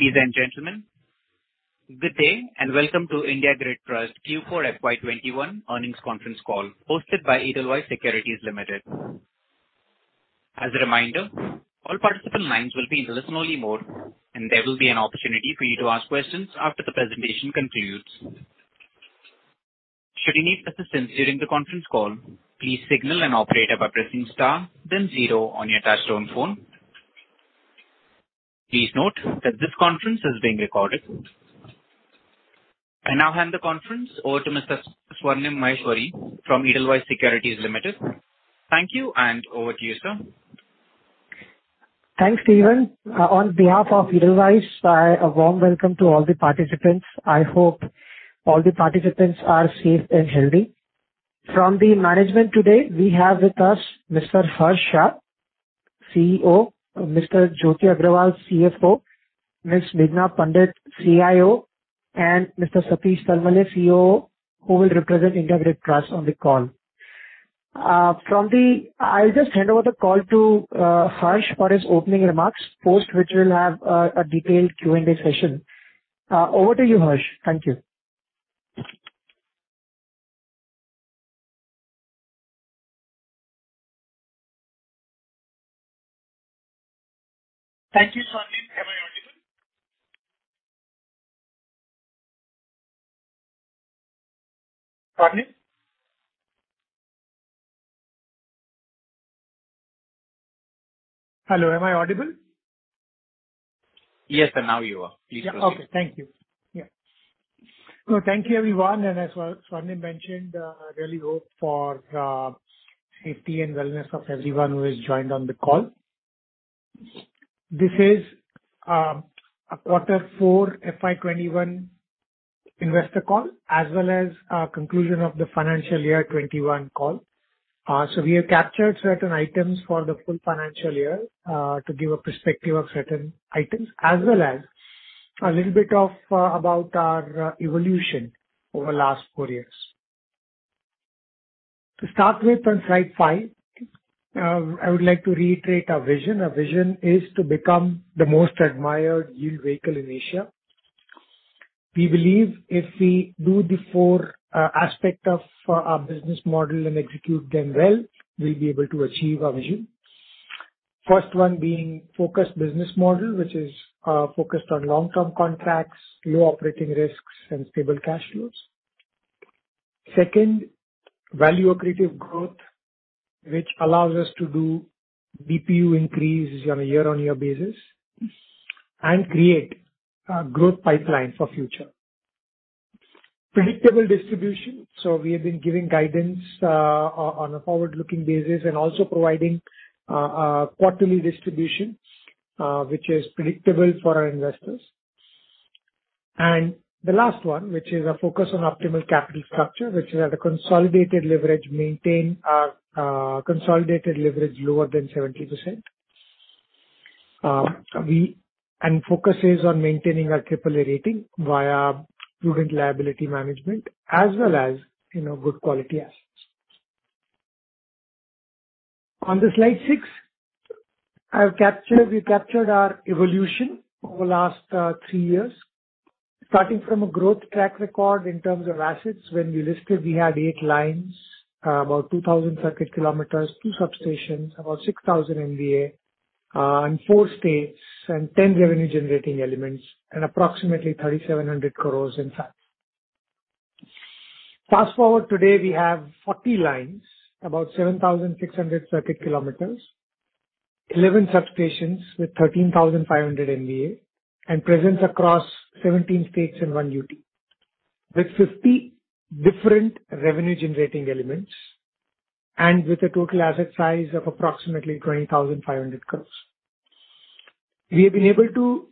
Ladies and gentlemen, good day and welcome to IndiGrid Infrastructure Trust's Q4 FY 2021 earnings conference call hosted by Edelweiss Securities Limited. As a reminder, all participant lines will be in listen-only mode, and there will be an opportunity for you to ask questions after the presentation concludes. Should you need assistance during the conference call, please signal an operator by pressing star then zero on your touch-tone phone. Please note that this conference is being recorded. I now hand the conference over to Mr. Swarnim Maheshwari from Edelweiss Securities Limited. Thank you, and over to you, sir. Thanks, Steven. On behalf of Edelweiss, a warm welcome to all the participants. I hope all the participants are safe and healthy. From the management today, we have with us Mr. Harsh Shah, CEO; Mr. Jyoti Kumar Agarwal, CFO; Ms. Meghana Pandit, CIO; and Mr. Satish Talmale, COO, who will represent IndiGrid Trust on the call. I'll just hand over the call to Harsh for his opening remarks, post which we'll have a detailed Q&A session. Over to you, Harsh. Thank you. Thank you, Swarnim. Am I audible? Swarnim? Hello, am I audible? Yes, now you are. Okay. Thank you. Thank you, everyone, and as Swarnim Maheshwari mentioned, I really hope for safety and wellness of everyone who has joined on the call. This is a quarter four FY 2021 investor call, as well as conclusion of the financial year 2021 call. We have captured certain items for the full financial year, to give a perspective of certain items, as well as a little bit about our evolution over the last four years. To start with, on slide five, I would like to reiterate our vision. Our vision is to become the most admired yield vehicle in Asia. We believe if we do the four aspect of our business model and execute them well, we'll be able to achieve our vision. First one being focused business model, which is focused on long-term contracts, low operating risks and stable cash flows. Second, value accretive growth, which allows us to do DPU increases on a year-on-year basis and create a growth pipeline for future. Predictable distribution. We've been giving guidance on a forward-looking basis and also providing quarterly distributions, which is predictable for our investors. The last one, which is our focus on optimal capital structure, which is at a consolidated leverage lower than 70%. Focus is on maintaining our triple A rating via prudent liability management as well as good quality assets. On slide six, we captured our evolution over the last three years. Starting from a growth track record in terms of assets. When we listed, we had eight lines, about 2,000 circuit km, two substations, about 6,000 MVA in four states and 10 revenue-generating elements, and approximately 3,700 crores in size. Fast-forward today, we have 40 lines, about 7,600 circuit km, 11 substations with 13,500 MVA, and presence across 17 states in one UT, with 50 different revenue-generating elements, and with a total asset size of approximately 20,500 crores. We've been able to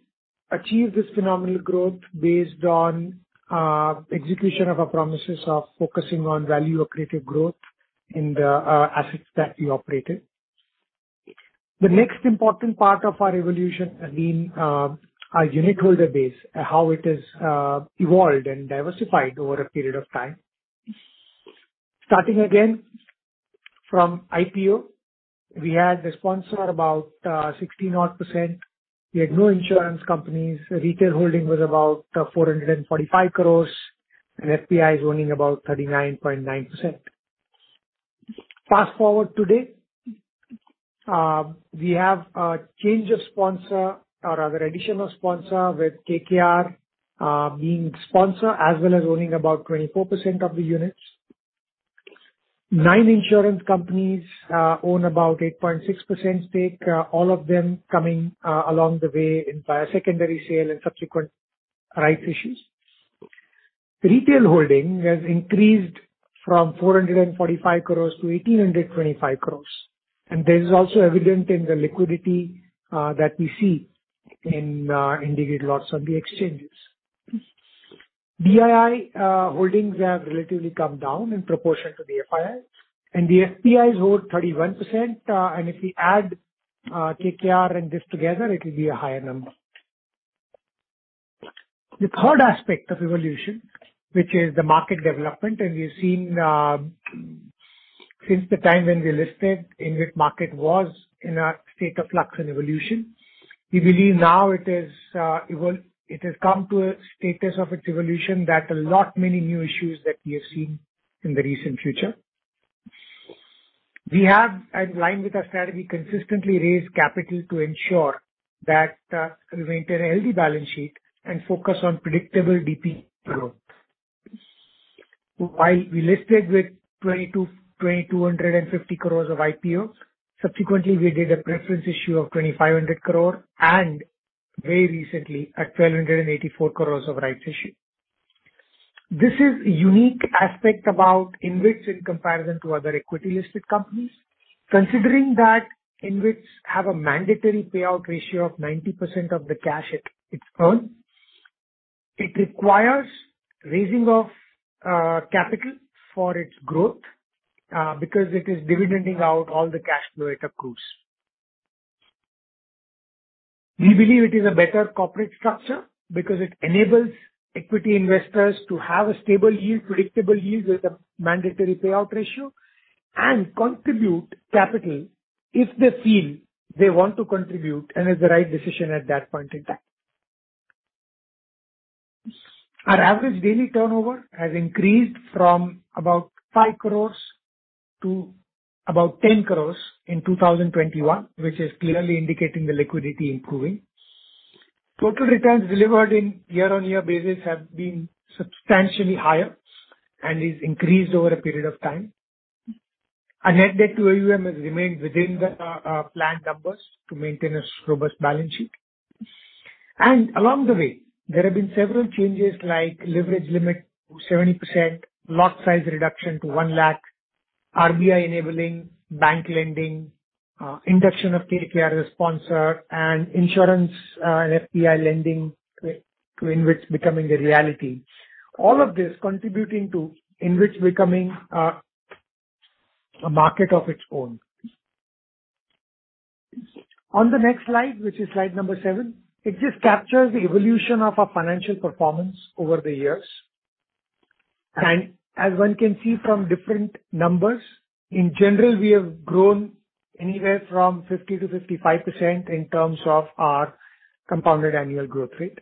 achieve this phenomenal growth based on execution of our promises of focusing on value accretive growth in the assets that we operated. The next important part of our evolution has been our unitholder base, how it has evolved and diversified over a period of time. Starting again from IPO, we had a sponsor about 60-odd%. We had no insurance companies. Retail holding was about 445 crores and FIIs owning about 39.9%. Fast-forward today, we have a change of sponsor or rather additional sponsor, with KKR being sponsor as well as owning about 24% of the units. Nine insurance companies own about 8.6% stake, all of them coming along the way via secondary sale and subsequent rights issues. Retail holding has increased from 445 crore to 1,825 crore, and that is also evident in the liquidity that we see in individual lots of the exchanges. DII holdings have relatively come down in proportion to the FIIs, and the FIIs hold 31%, and if we add KKR and this together, it'll be a higher number. The third aspect of evolution, which is the market development. Since the time when we listed, InvIT market was in a state of flux and evolution. We believe now it has come to a status of its evolution that a lot many new issues that we are seeing in the recent future. We have, in line with our strategy, consistently raised capital to ensure that we maintain a healthy balance sheet and focus on predictable DPU growth. While we listed with 2,250 crores of IPO, subsequently we did a preference issue of 2,500 crore, and very recently, a 1,284 crores of rights issue. This is a unique aspect about InvIT in comparison to other equity listed companies. Considering that InvITs have a mandatory payout ratio of 90% of the cash it earns, it requires raising of capital for its growth because it is dividending out all the cash flow it accrues. We believe it is a better corporate structure because it enables equity investors to have a stable yield, predictable yield with a mandatory payout ratio, and contribute capital if they feel they want to contribute and is the right decision at that point in time. Our average daily turnover has increased from about 5 crores to about 10 crores in 2021, which is clearly indicating the liquidity improving. Total returns delivered on a year-on-year basis have been substantially higher and has increased over a period of time. Our net debt to AUM has remained within the planned numbers to maintain a robust balance sheet. Along the way, there have been several changes like leverage limit to 70%, lot size reduction to 1 lakh, RBI enabling bank lending, induction of KKR as sponsor, and insurance and FPI lending to InvIT becoming a reality. All of this contributing to InvIT becoming a market of its own. On the next slide, which is slide number seven, it just captures the evolution of our financial performance over the years. As one can see from different numbers, in general, we have grown anywhere from 50%-55% in terms of our compounded annual growth rate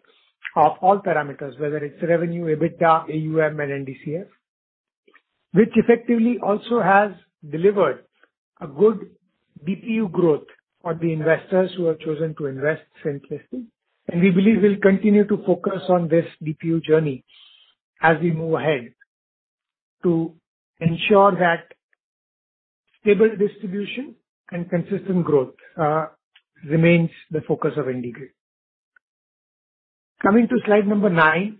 of all parameters, whether it's revenue, EBITDA, AUM, and DCF. Which effectively also has delivered a good DPU growth for the investors who have chosen to invest since listing. We believe we'll continue to focus on this DPU journey as we move ahead to ensure that stable distribution and consistent growth remains the focus of IndiGrid. Coming to slide number nine,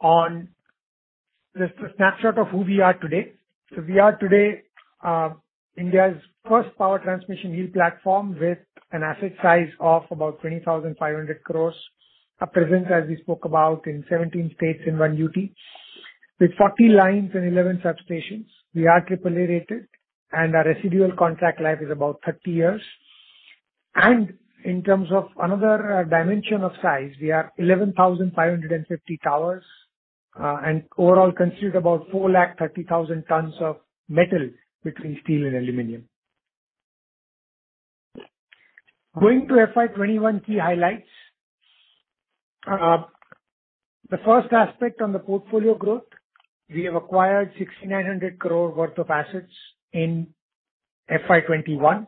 on the snapshot of who we are today. We are today India's first power transmission yield platform with an asset size of about 20,500 crores. A presence, as we spoke about, in 17 states in one UT. With 40 lines and 11 substations. We are AAA-rated, and our residual contract life is about 30 years. In terms of another dimension of size, we have 11,550 towers, and overall consist of about 430,000 tons of metal between steel and aluminum. Going to FY 2021 key highlights. The first aspect on the portfolio growth, we have acquired 6,900 crore worth of assets in FY 2021,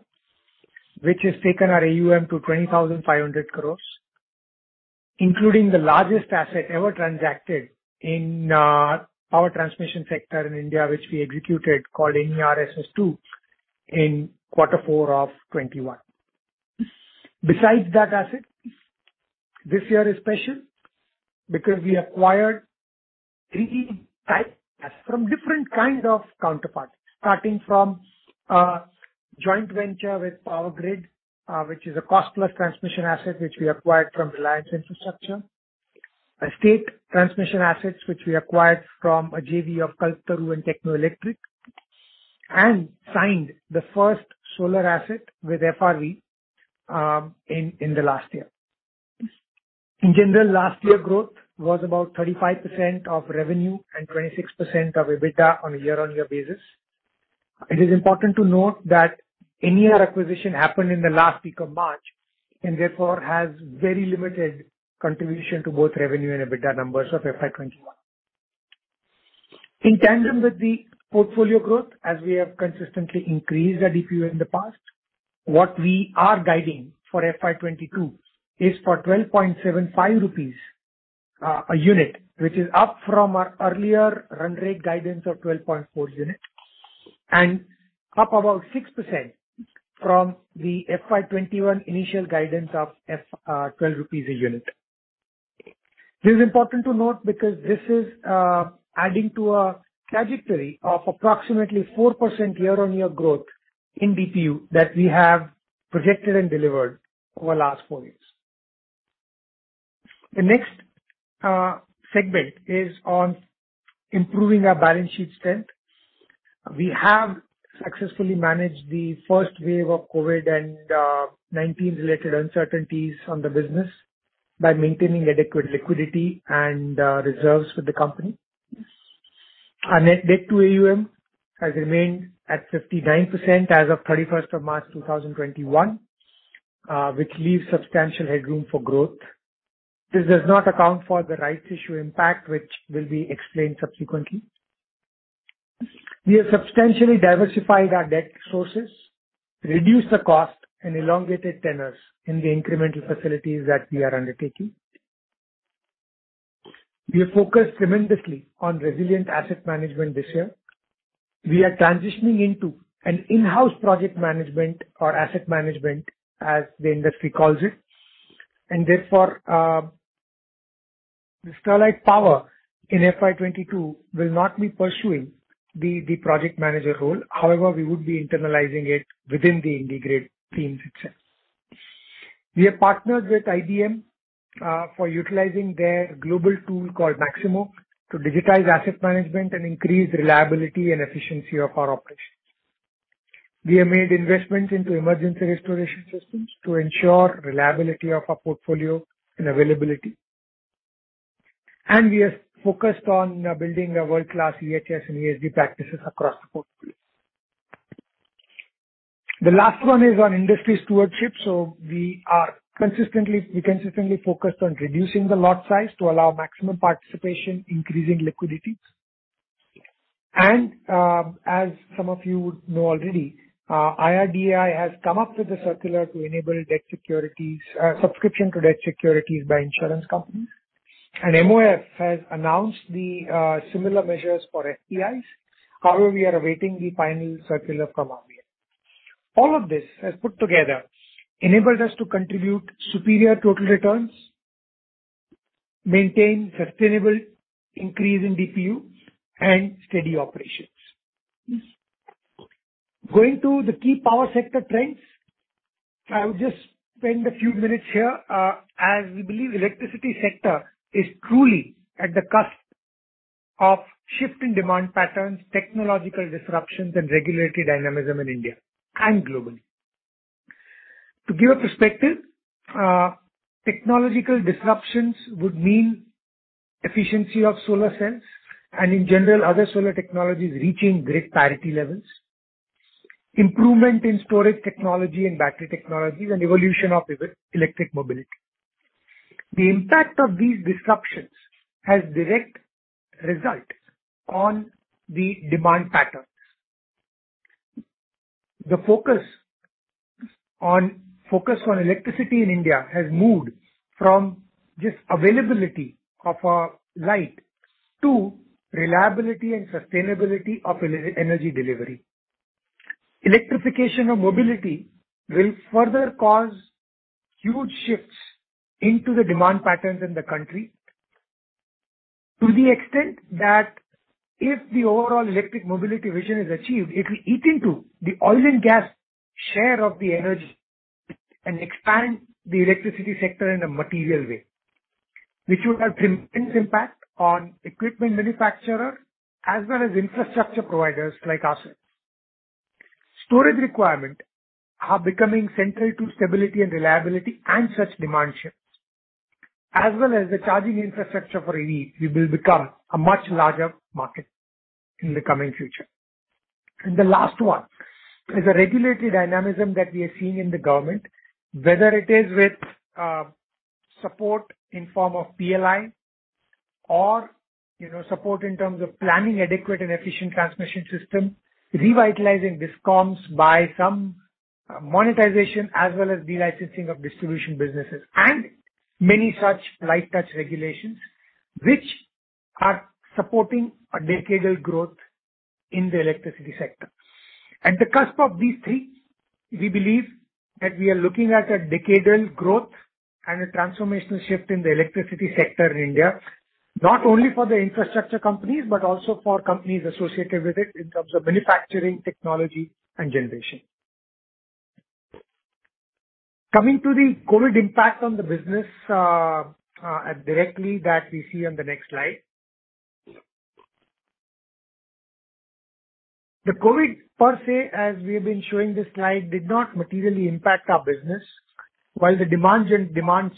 which has taken our AUM to 20,500 crore, including the largest asset ever transacted in power transmission sector in India, which we executed called NRSS-XXIX in quarter 4 of 2021. Besides that asset, this year is special because we acquired three key type assets from different kind of counterparts, starting from a joint venture with Power Grid Corporation of India, which is a cost-plus transmission asset which we acquired from Reliance Infrastructure. A state transmission assets which we acquired from a JV of Kalpataru and Techno Electric, and signed the first solar asset with FRV in the last year. In general, last year growth was about 35% of revenue and 26% of EBITDA on a year-on-year basis. It is important to note that any acquisition happened in the last week of March, and therefore has very limited contribution to both revenue and EBITDA numbers of FY 2021. In tandem with the portfolio growth, as we have consistently increased our DPU in the past, what we are guiding for FY 2022 is for 12.75 rupees a unit, which is up from our earlier run rate guidance of 12.4 unit, and up about 6% from the FY 2021 initial guidance of 12 rupees a unit. This is important to note because this is adding to our trajectory of approximately 4% year-on-year growth in DPU that we have projected and delivered over the last four years. The next segment is on improving our balance sheet strength. We have successfully managed the first wave of COVID-19-related uncertainties on the business by maintaining adequate liquidity and reserves for the company. Our net debt to AUM has remained at 59% as of 31st of March 2021, which leaves substantial headroom for growth. This does not account for the rights issue impact, which will be explained subsequently. We have substantially diversified our debt sources, reduced the cost, and elongated tenors in the incremental facilities that we are undertaking. We have focused tremendously on resilient asset management this year. We are transitioning into an in-house project management or asset management, as the industry calls it. Therefore, Sterlite Power in FY 2022 will not be pursuing the project manager role. However, we would be internalizing it within the IndiGrid teams itself. We have partnered with IBM for utilizing their global tool called Maximo to digitize asset management and increase reliability and efficiency of our operations. We have made investments into emergency restoration systems to ensure reliability of our portfolio and availability. We are focused on building a world-class EHS and ESG practices across the portfolio. The last one is on industry stewardship. We consistently focus on reducing the lot size to allow maximum participation, increasing liquidity. As some of you would know already, IRDAI has come up with a circular to enable subscription to debt securities by insurance companies, and MoF has announced the similar measures for FPIs. However, we are awaiting the final circular from them. All of this has put together, enabled us to contribute superior total returns, maintain sustainable increase in DPU, and steady operations. Going to the key power sector trends. I'll just spend a few minutes here, as we believe electricity sector is truly at the cusp of shift in demand patterns, technological disruptions, and regulatory dynamism in India and globally. To give a perspective, technological disruptions would mean efficiency of solar cells and in general, other solar technologies reaching grid parity levels, improvement in storage technology and battery technologies, and evolution of electric mobility. The impact of these disruptions has direct result on the demand patterns. The focus on electricity in India has moved from just availability of a light to reliability and sustainability of energy delivery. Electrification of mobility will further cause huge shifts into the demand patterns in the country, to the extent that if the overall electric mobility vision is achieved, it will eat into the oil and gas share of the energy and expand the electricity sector in a material way, which would have immense impact on equipment manufacturers as well as infrastructure providers like ourselves. Storage requirements are becoming central to stability and reliability and such demand shifts, as well as the charging infrastructure for EV will become a much larger market in the coming future. The last one is the regulatory dynamism that we are seeing in the government, whether it is with support in form of PLI or support in terms of planning adequate and efficient transmission system, revitalizing DISCOMs by some monetization as well as delisting of distribution businesses, and many such like such regulations which are supporting a decadal growth in the electricity sector. At the cusp of these things, we believe that we are looking at a decadal growth and a transformational shift in the electricity sector in India, not only for the infrastructure companies, but also for companies associated with it in terms of manufacturing, technology, and generation. Coming to the COVID impact on the business directly that we see on the next slide. The COVID per se, as we have been showing this slide, did not materially impact our business. While the demands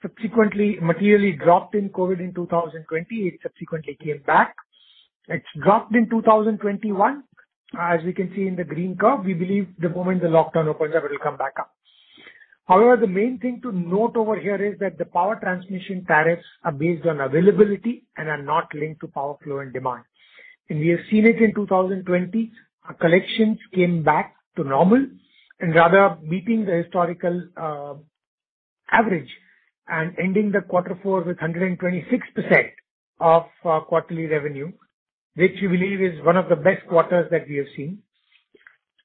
subsequently materially dropped in COVID in 2020, it subsequently came back. It dropped in 2021. As you can see in the green curve, we believe the moment the lockdown opens up, it will come back up. The main thing to note over here is that the power transmission tariffs are based on availability and are not linked to power flow and demand. We have seen it in 2020, our collections came back to normal and rather beating the historical average and ending the quarter four with 126% of quarterly revenue, which we believe is one of the best quarters that we have seen.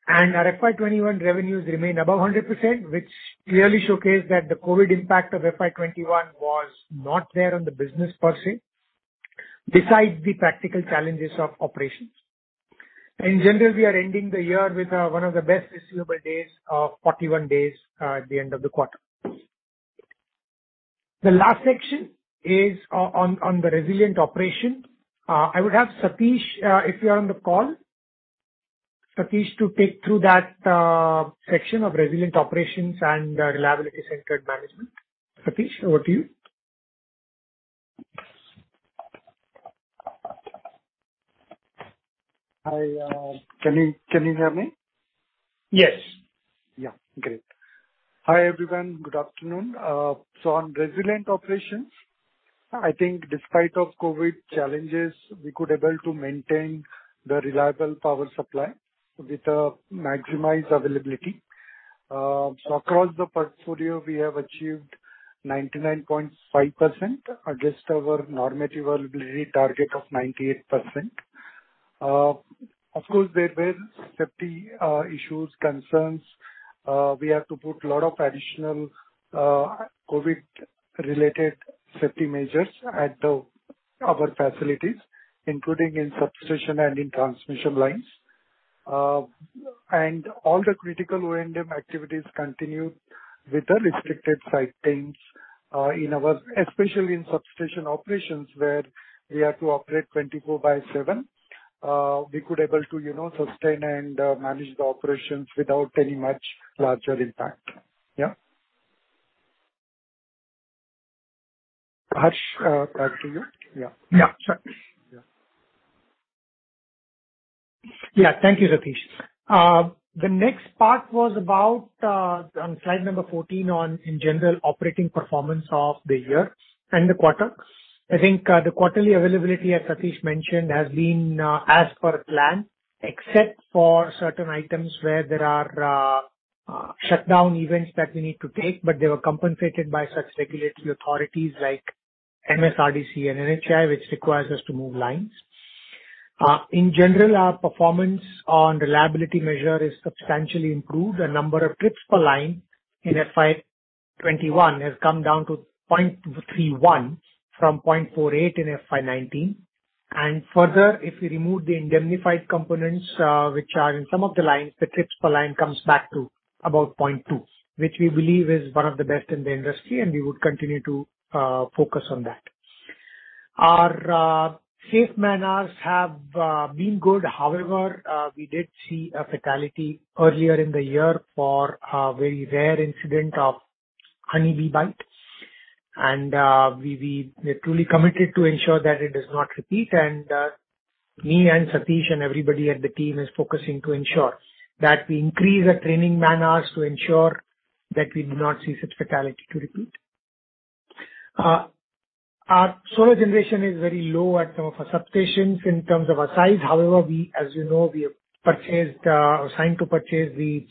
Our FY 2021 revenues remain above 100%, which clearly showcase that the COVID impact of FY 2021 was not there on the business per se, besides the practical challenges of operations. In general, we are ending the year with one of the best visible days, 41 days at the end of the quarter. The last section is on the resilient operation. I would have Satish, if you're on the call, Satish to take through that section of resilient operations and reliability-centered management. Satish, over to you. Hi. Can you hear me? Yes. Great. Hi, everyone. Good afternoon. On resilient operations, I think despite of COVID challenges, we could able to maintain the reliable power supply with a maximized availability. Across the portfolio, we have achieved 99.5% against our normative availability target of 98%. Of course, there were safety issues, concerns. We had to put lot of additional COVID related safety measures at our facilities, including in substation and in transmission lines. All the critical O&M activities continued with the restricted site teams, especially in substation operations, where we had to operate 24/7. We could able to sustain and manage the operations without any much larger impact. Yeah. Harsh, back to you. Sure. Thank you, Satish. The next part was about on slide number 14 on general operating performance of the year and the quarter. I think the quarterly availability, as Satish mentioned, has been as per plan, except for certain items where there are shutdown events that we need to take. They were compensated by such regulatory authorities like MSRDC and NHAI, which requires us to move lines. In general, our performance on reliability measure is substantially improved. The number of trips per line in FY 2021 has come down to 0.31 from 0.48 in FY 2019. Further, if you remove the indemnified components, which are in some of the lines, the trips per line comes back to about 0.2, which we believe is one of the best in the industry. We would continue to focus on that. Our safe man-hours have been good. However, we did see a fatality earlier in the year for a very rare incident of honeybee bite. We are truly committed to ensure that it does not repeat, me and Satish and everybody at the team is focusing to ensure that we increase our training man-hours to ensure that we do not see such fatality to repeat. Our solar generation is very low at some of our substations in terms of our size. However, as you know, we have signed to purchase the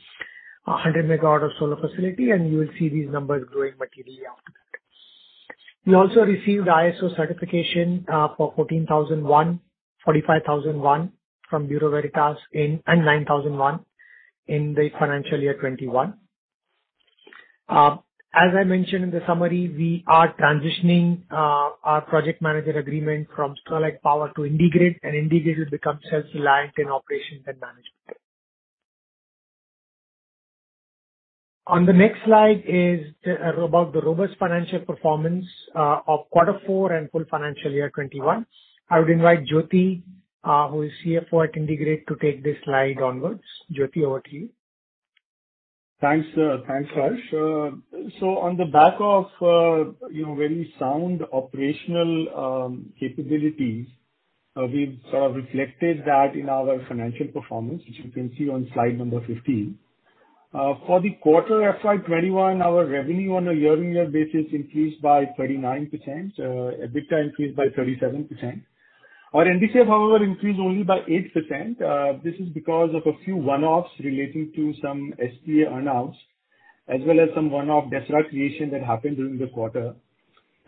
100 megawatt of solar facility, you will see these numbers growing materially. We also received ISO certification for 14,001, 45,001 from Bureau Veritas and 9,001 in the FY 2021. As I mentioned in the summary, we are transitioning our project management agreement from Sterlite Power to IndiGrid, and IndiGrid will become self-reliant in operations and management. On the next slide is about the robust financial performance of Quarter Four and full financial year 2021. I would invite Jyoti, who is CFO at IndiGrid, to take this slide onwards. Jyoti, over to you. Thanks, Harsh. On the back of very sound operational capabilities, we've reflected that in our financial performance, which you can see on slide number 15. For the quarter FY 2021, our revenue on a year-over-year basis increased by 39%, EBITDA increased by 37%. Our NDCF, however, increased only by 8%. This is because of a few one-offs relating to some SPA announce, as well as some one-off debt creation that happened during the quarter.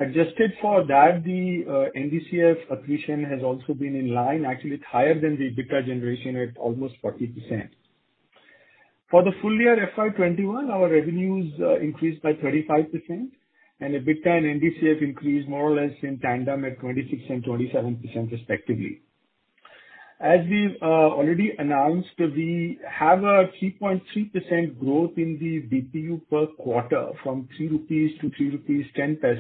Adjusted for that, the NDCF accretion has also been in line. Actually, it's higher than the EBITDA generation at almost 40%. For the full year FY 2021, our revenues increased by 35%, EBITDA and NDCF increased more or less in tandem at 26% and 27% respectively. As we have already announced, we have a 3.3% growth in the DPU per quarter from 3 rupees to 3.10 rupees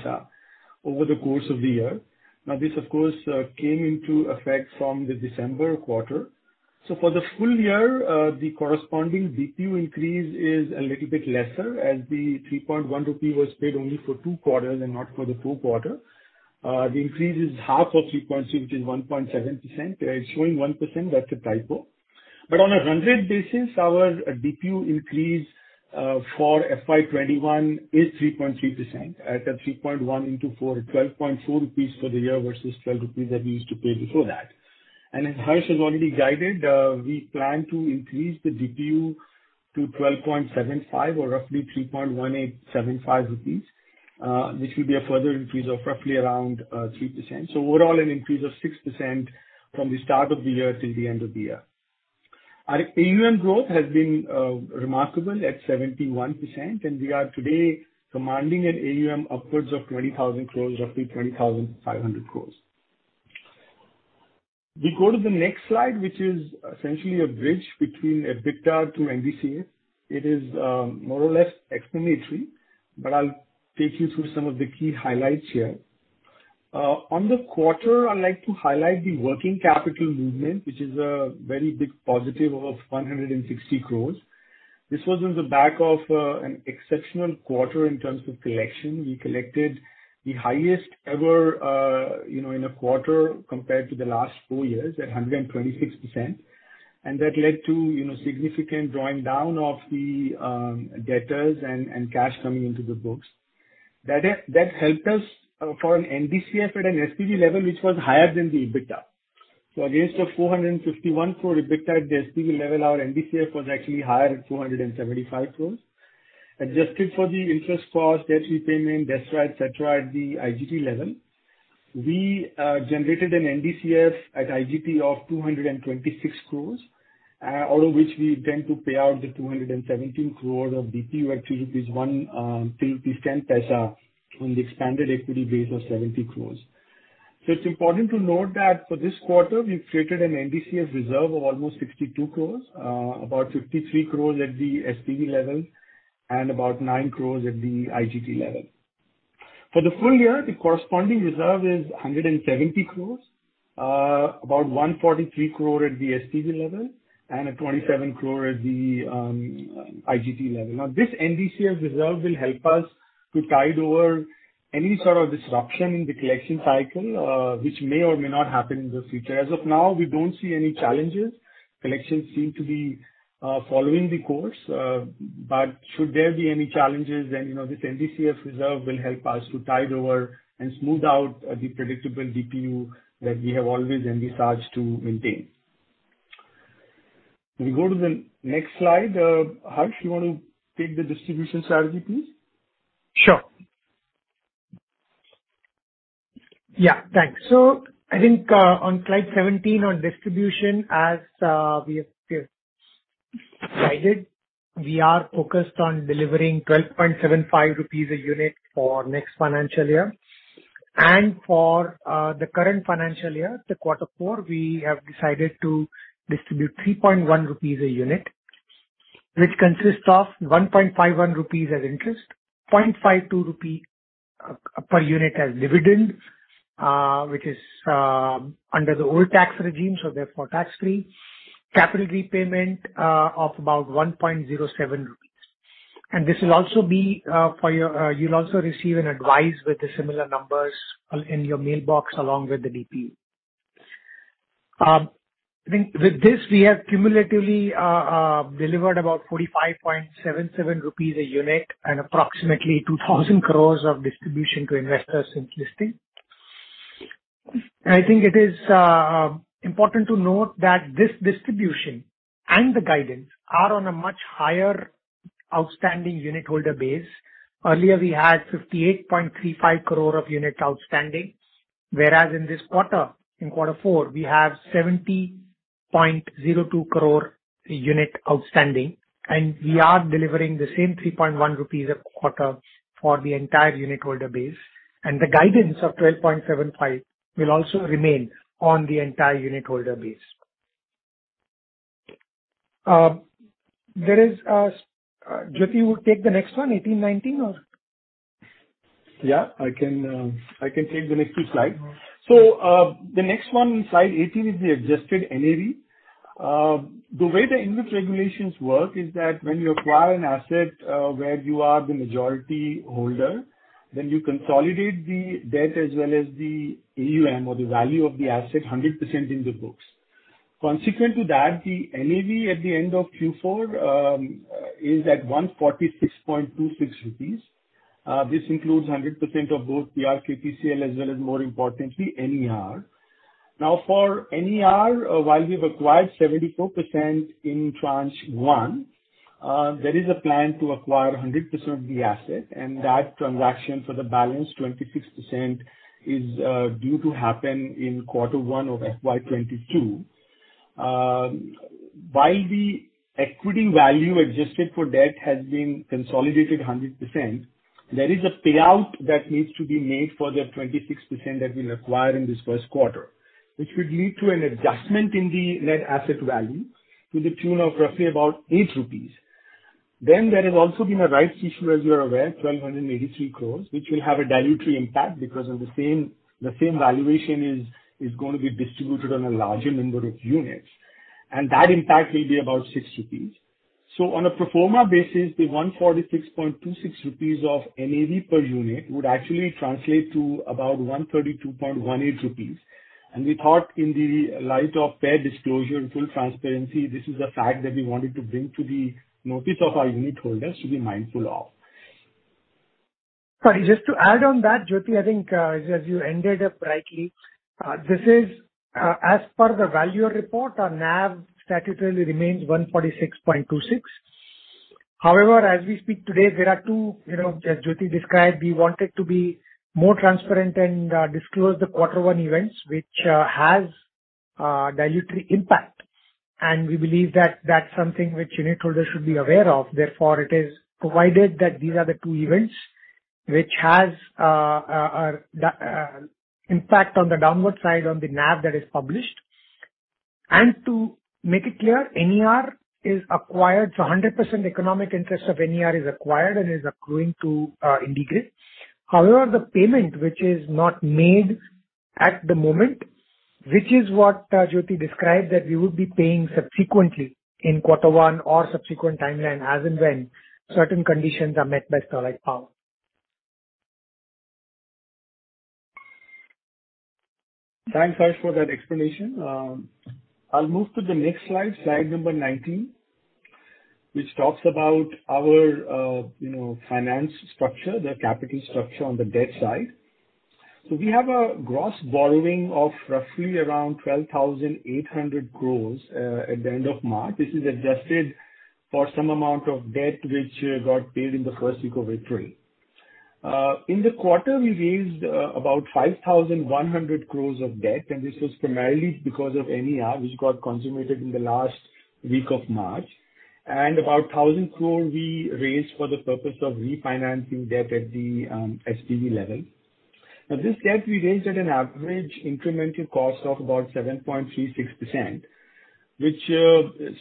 over the course of the year. This, of course, came into effect from the December quarter. For the full year, the corresponding DPU increase is a little bit lesser as the 3.10 rupee was paid only for two quarters and not for the full quarter. The increase is half of 3.7 to 1.7%. It's showing 1%, that's a typo. On a run-rate basis, our DPU increase for FY 2021 is 3.3% at a 3.1 into 4, 12.40 rupees for the year versus 12 rupees that we used to pay before that. As Harsh has already guided, we plan to increase the DPU to 12.75 or roughly 318.75 rupees. This will be a further increase of roughly around 3%. Overall, an increase of 6% from the start of the year till the end of the year. Our AUM growth has been remarkable at 71%, and we are today commanding an AUM upwards of 20,000 crores, roughly 20,500 crores. We go to the next slide, which is essentially a bridge between EBITDA to NDCF. It is more or less explanatory, but I'll take you through some of the key highlights here. On the quarter, I'd like to highlight the working capital movement, which is a very big positive of ₹160 crores. This was on the back of an exceptional quarter in terms of collection. We collected the highest ever in a quarter compared to the last four years, at 126%. That led to significant drawing down of the debtors and cash coming into the books. That helped us for an NDCF at an SPV level which was higher than the EBITDA. Against a ₹451 crore EBITDA at the SPV level, our NDCF was actually higher at ₹475 crores. Adjusted for the interest for debt repayment, et cetera, at the IGT level. We generated an NDCF at IGT of ₹226 crores, all of which we intend to pay out the ₹217 crore of DPU actually, which is ₹0.70 on the expanded equity base of 70 crores. It's important to note that for this quarter, we've created an NDCF reserve of almost 62 crores, about 53 crores at the SPV level and about 9 crores at the IGT level. For the full year, the corresponding reserve is 170 crores, about 143 crore at the SPV level, and 27 crore at the IGT level. This NDCF reserve will help us to tide over any sort of disruption in the collection cycle, which may or may not happen in the future. As of now, we don't see any challenges. Collections seem to be following the course. Should there be any challenges, then the NDCF reserve will help us to tide over and smooth out the predictable DPU that we have always envisaged to maintain. Can we go to the next slide? Harsh, you want to take the distribution strategy, please? Sure. Yeah, thanks. I think on slide 17 on distribution, as we have decided, we are focused on delivering 12.75 rupees a unit for next financial year. For the current financial year, the quarter four, we have decided to distribute 3.1 rupees a unit, which consists of 1.51 rupees as interest, 0.52 rupee per unit as dividend, which is under the old tax regime, therefore tax-free. Capital repayment of about 1.07 rupees. You will also receive an advice with the similar numbers in your mailbox along with the DPU. I think with this, we have cumulatively delivered about 45.77 rupees a unit and approximately 2,000 crores of distribution to investors since listing. I think it is important to note that this distribution and the guidance are on a much higher outstanding unitholder base. Earlier, we had 58.35 crore of unit outstanding, whereas in this quarter, in quarter four, we have 70.02 crore unit outstanding. We are delivering the same 3.1 rupees a quarter for the entire unitholder base. The guidance of 12.75 will also remain on the entire unitholder base. Jyoti, you take the next one, 18, 19, or? I can take the next two slides. The next one, slide 18, is the adjusted NAV. The way the Ind AS regulations work is that when you acquire an asset where you are the majority holder, then you consolidate the debt as well as the AUM or the value of the asset 100% in the books. Consequent to that, the NAV at the end of Q4 is at ₹146.26. This includes 100% of both PKTCL as well as, more importantly, NER. For NER, while we've acquired 74% in tranche one, there is a plan to acquire 100% of the asset, and that transaction for the balance, 26%, is due to happen in quarter one of FY 2022. While the equity value adjusted for debt has been consolidated 100%, there is a payout that needs to be made for the 26% that we acquire in this first quarter, which will lead to an adjustment in the net asset value to the tune of roughly about 8 rupees. There has also been a rights issue, as you are aware, 1,283 crores, which will have a dilutive impact because of the same valuation is going to be distributed on a larger number of units, and that impact will be about 6 rupees. On a pro forma basis, the 146.26 rupees of NAV per unit would actually translate to about 132.18 rupees. We thought in the light of fair disclosure and full transparency, this is a fact that we wanted to bring to the notice of our unitholders to be mindful of. Just to add on that, Jyoti, I think as you ended up rightly, this is as per the valuer report, our NAV statutorily remains 146.26. However, as we speak today, there are two, as Jyoti described, we wanted to be more transparent and disclose the quarter one events, which has a dilutive impact. We believe that's something which unitholders should be aware of. Therefore, it is provided that these are the two events which has impact on the downward side on the NAV that is published To make it clear, NER is acquired, so 100% economic interest of NER is acquired and is accruing to IndiGrid. However, the payment which is not made at the moment, which is what Jyoti described, that we would be paying subsequently in quarter one or subsequent timeline as and when certain conditions are met by Kawai Power. Thanks, Harsh, for that explanation. I'll move to the next slide number 19, which talks about our finance structure, the capital structure on the debt side. We have a gross borrowing of roughly around 12,800 crores at the end of March. This is adjusted for some amount of debt which got paid in the first week of April. In the quarter, we raised about 5,100 crores of debt, and this was primarily because of NER, which got consummated in the last week of March. About 1,000 crore we raised for the purpose of refinancing debt at the SPV level. This debt we raised at an average incremental cost of about 7.36%, which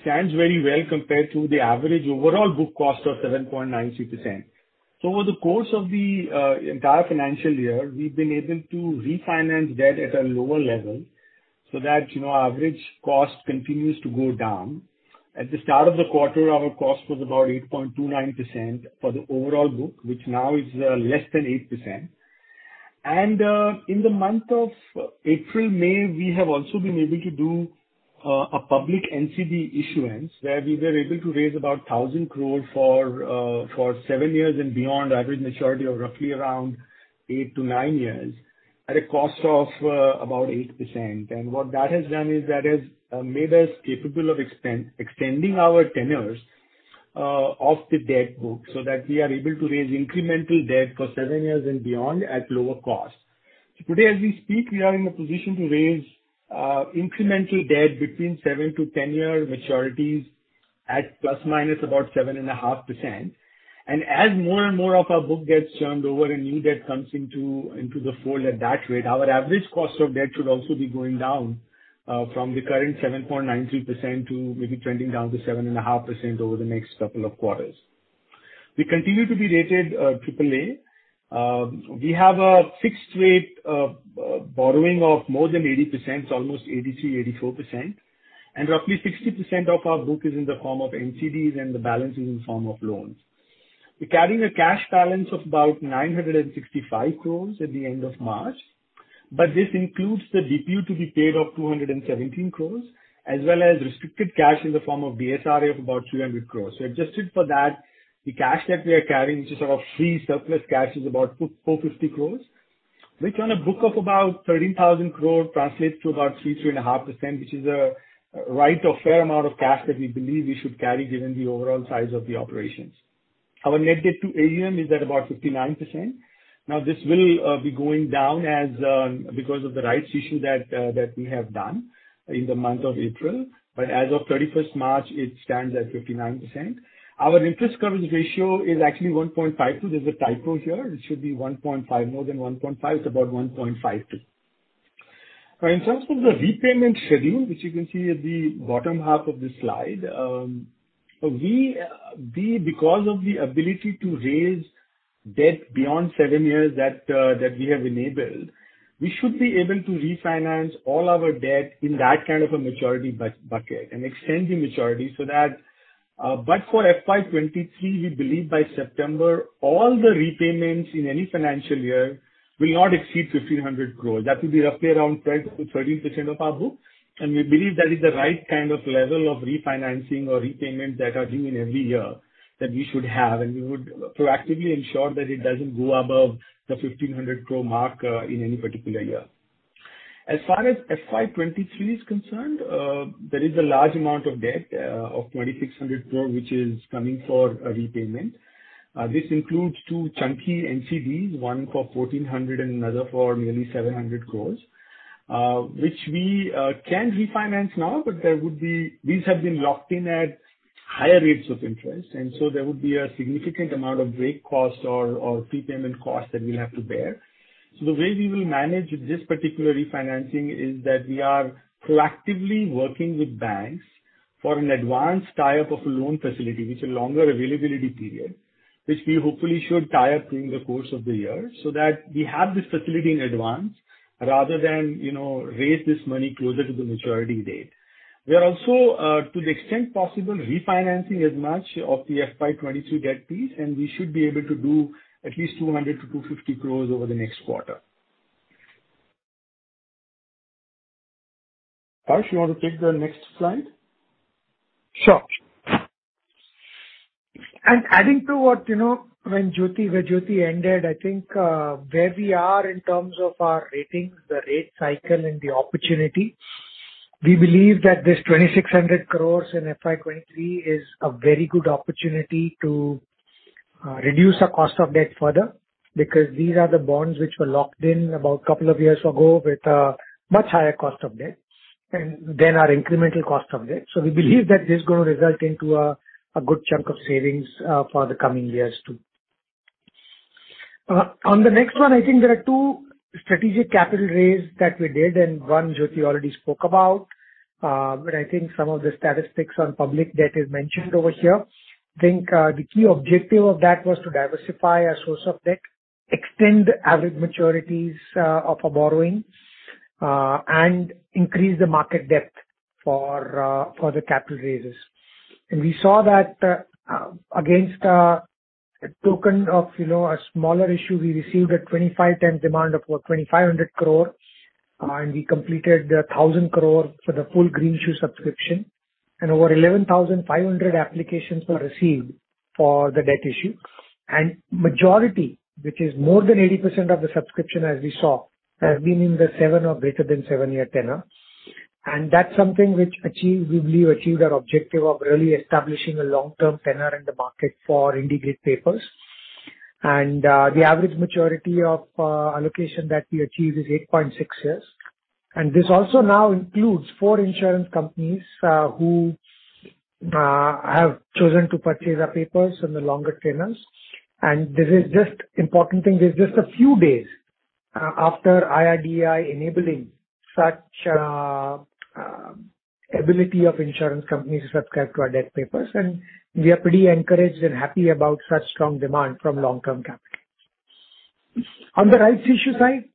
stands very well compared to the average overall book cost of 7.93%. Over the course of the entire financial year, we've been able to refinance debt at a lower level so that our average cost continues to go down. At the start of the quarter, our cost was about 8.29% for the overall book, which now is less than 8%. In the month of April, May, we have also been able to do a public NCD issuance where we were able to raise about 1,000 crore for seven years and beyond, average maturity of roughly around eight to nine years at a cost of about 8%. What that has done is that has made us capable of extending our tenures of the debt book so that we are able to raise incremental debt for seven years and beyond at lower cost. Today as we speak, we are in a position to raise incremental debt between 7-10 year maturities at ±7.5%. As more and more of our book gets turned over and new debt comes into the fold at that rate, our average cost of debt should also be going down from the current 7.93% to maybe trending down to 7.5% over the next couple of quarters. We continue to be rated AAA. We have a fixed rate of borrowing of more than 80%, almost 83%-84%, and roughly 60% of our book is in the form of NCDs and the balance is in the form of loans. We're carrying a cash balance of about 965 crores at the end of March, this includes the DPU to be paid of 217 crores, as well as restricted cash in the form of DSRA of about 200 crores. Adjusted for that, the cash that we are carrying, just our free surplus cash is about 450 crores, which on a book of about 13,000 crore translates to about 3.5%, which is a right or fair amount of cash that we believe we should carry given the overall size of the operations. Our net debt to EBITDA is at about 59%. This will be going down because of the rights issue that we have done in the month of April. As of 31st March, it stands at 59%. Our interest coverage ratio is actually 1.52. There's a typo here. It should be 1.5, more than 1.5. It's about 1.52. In terms of the repayment schedule, which you can see at the bottom half of the slide. Because of the ability to raise debt beyond seven years that we have enabled, we should be able to refinance all our debt in that kind of a maturity bucket and extend the maturity so that, but for FY 2023, we believe by September, all the repayments in any financial year will not exceed 1,500 crore. That will be roughly around 12%-13% of our book. We believe that is the right kind of level of refinancing or repayments that are due in every year that we should have. We would proactively ensure that it doesn't go above the 1,500 crore mark in any particular year. As far as FY 2023 is concerned, there is a large amount of debt of 2,600 crore which is coming for repayment. This includes two chunky NCDs, one for 1,400 and another for nearly 700 crores, these have been locked in at higher rates of interest, there would be a significant amount of break cost or prepayment cost that we have to bear. The way we will manage this particular refinancing is that we are collectively working with banks for an advance tie-up of a loan facility, which is a longer availability period. Which we hopefully should tie up during the course of the year so that we have this facility in advance rather than raise this money closer to the maturity date. We are also, to the extent possible, refinancing as much of the FY 2022 debt piece, we should be able to do at least 200-250 crores over the next quarter. Harsh, you want to take the next slide? Sure. Adding to what Jyoti Agarwal ended, I think where we are in terms of our ratings, the rate cycle, and the opportunity, we believe that this 2,600 crores in FY 2023 is a very good opportunity to reduce our cost of debt further because these are the bonds which were locked in about a couple of years ago with a much higher cost of debt than our incremental cost of debt. We believe that this will result into a good chunk of savings for the coming years too. On the next one, I think there are two strategic capital raises that we did, one Jyoti already spoke about. I think some of the statistics on public debt is mentioned over here. I think the key objective of that was to diversify our source of debt, extend the average maturities of our borrowing, and increase the market depth for the capital raises. We saw that against a token of a smaller issue, we received a 25 times demand of about 2,500 crores, and we completed the 1,000 crores for the full green shoe subscription, and over 11,500 applications were received for the debt issue. Majority, which is more than 80% of the subscription, as we saw, has been in the seven or greater than seven-year tenor. That's something which we believe achieved our objective of really establishing a long-term tenor in the market for IndiGrid papers. The average maturity of allocation that we achieved is 8.6 years. This also now includes four insurance companies who have chosen to purchase our papers in the longer tenors. Important thing, this is just a few days after IRDAI enabling such ability of insurance companies to subscribe to our debt papers, and we are pretty encouraged and happy about such strong demand from long-term capital. On the rights issue side,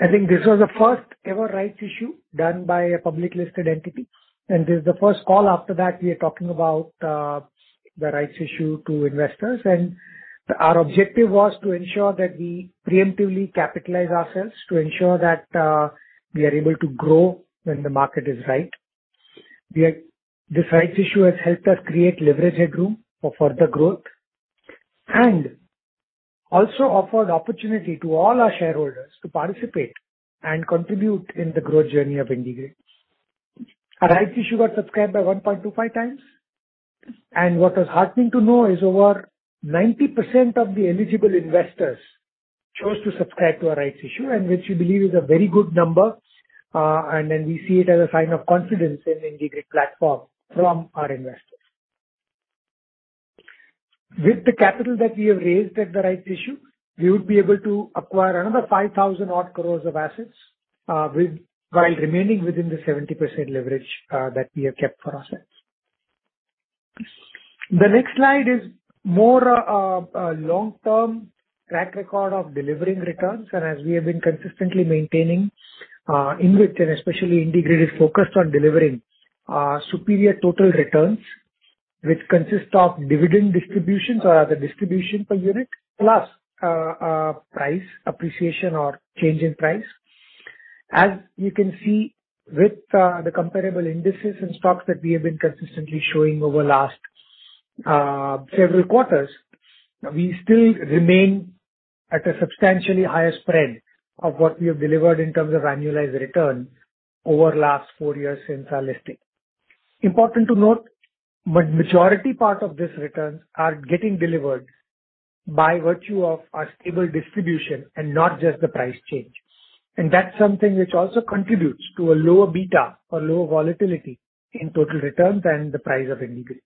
I think this was the first-ever rights issue done by a public listed entity. This is the first call after that we're talking about the rights issue to investors. Our objective was to ensure that we preemptively capitalize ourselves to ensure that we are able to grow when the market is right. This rights issue has helped us create leverage headroom for further growth and also offers opportunity to all our shareholders to participate and contribute in the growth journey of IndiGrid. Our rights issue got subscribed by 1.25 times. What is heartening to know is over 90% of the eligible investors chose to subscribe to our rights issue, which we believe is a very good number, and we see it as a sign of confidence in IndiGrid platform from our investors. With the capital that we have raised at the rights issue, we would be able to acquire another 5,000 odd crores of assets while remaining within the 70% leverage that we have kept for ourselves. The next slide is more a long-term track record of delivering returns, and as we have been consistently maintaining, InvIT and especially IndiGrid is focused on delivering superior total returns, which consist of dividend distributions or rather distribution per unit plus price appreciation or change in price. As you can see with the comparable indices and stocks that we have been consistently showing over the last several quarters, we still remain at a substantially higher spread of what we have delivered in terms of annualized returns over the last four years since our listing. Important to note, Majority part of these returns are getting delivered by virtue of our stable distribution and not just the price change. That's something which also contributes to a lower beta or lower volatility in total returns and the price of IndiGrid.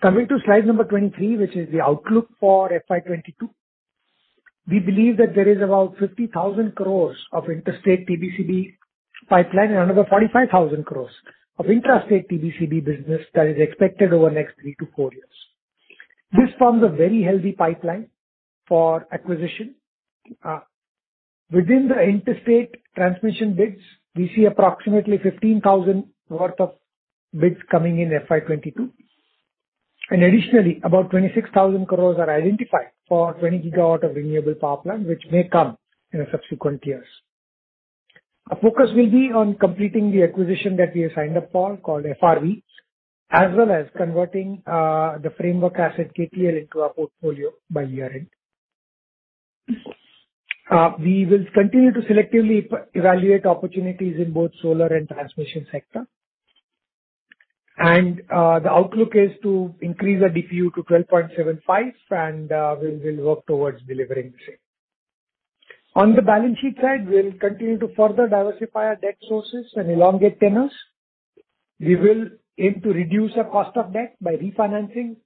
Coming to slide number 23, which is the outlook for FY22. We believe that there is about 50,000 crores of interstate TBCB pipeline, another 45,000 crores of intrastate TBCB business that is expected over the next three to four years. This forms a very healthy pipeline for acquisition. Within the interstate transmission bids, we see approximately 15,000 GW of bids coming in FY 2022. Additionally, about 26,000 crores are identified for 20 GW of renewable power plant, which may come in subsequent years. Our focus will be on completing the acquisition that we have signed up for called FRV, as well as converting the framework asset KTL into our portfolio by year-end. We will continue to selectively evaluate opportunities in both solar and transmission sector. The outlook is to increase the DPU to 12.75, and we will work towards delivering the same. On the balance sheet side, we'll continue to further diversify our debt sources and elongate tenors. We will aim to reduce our cost of debt by refinancing.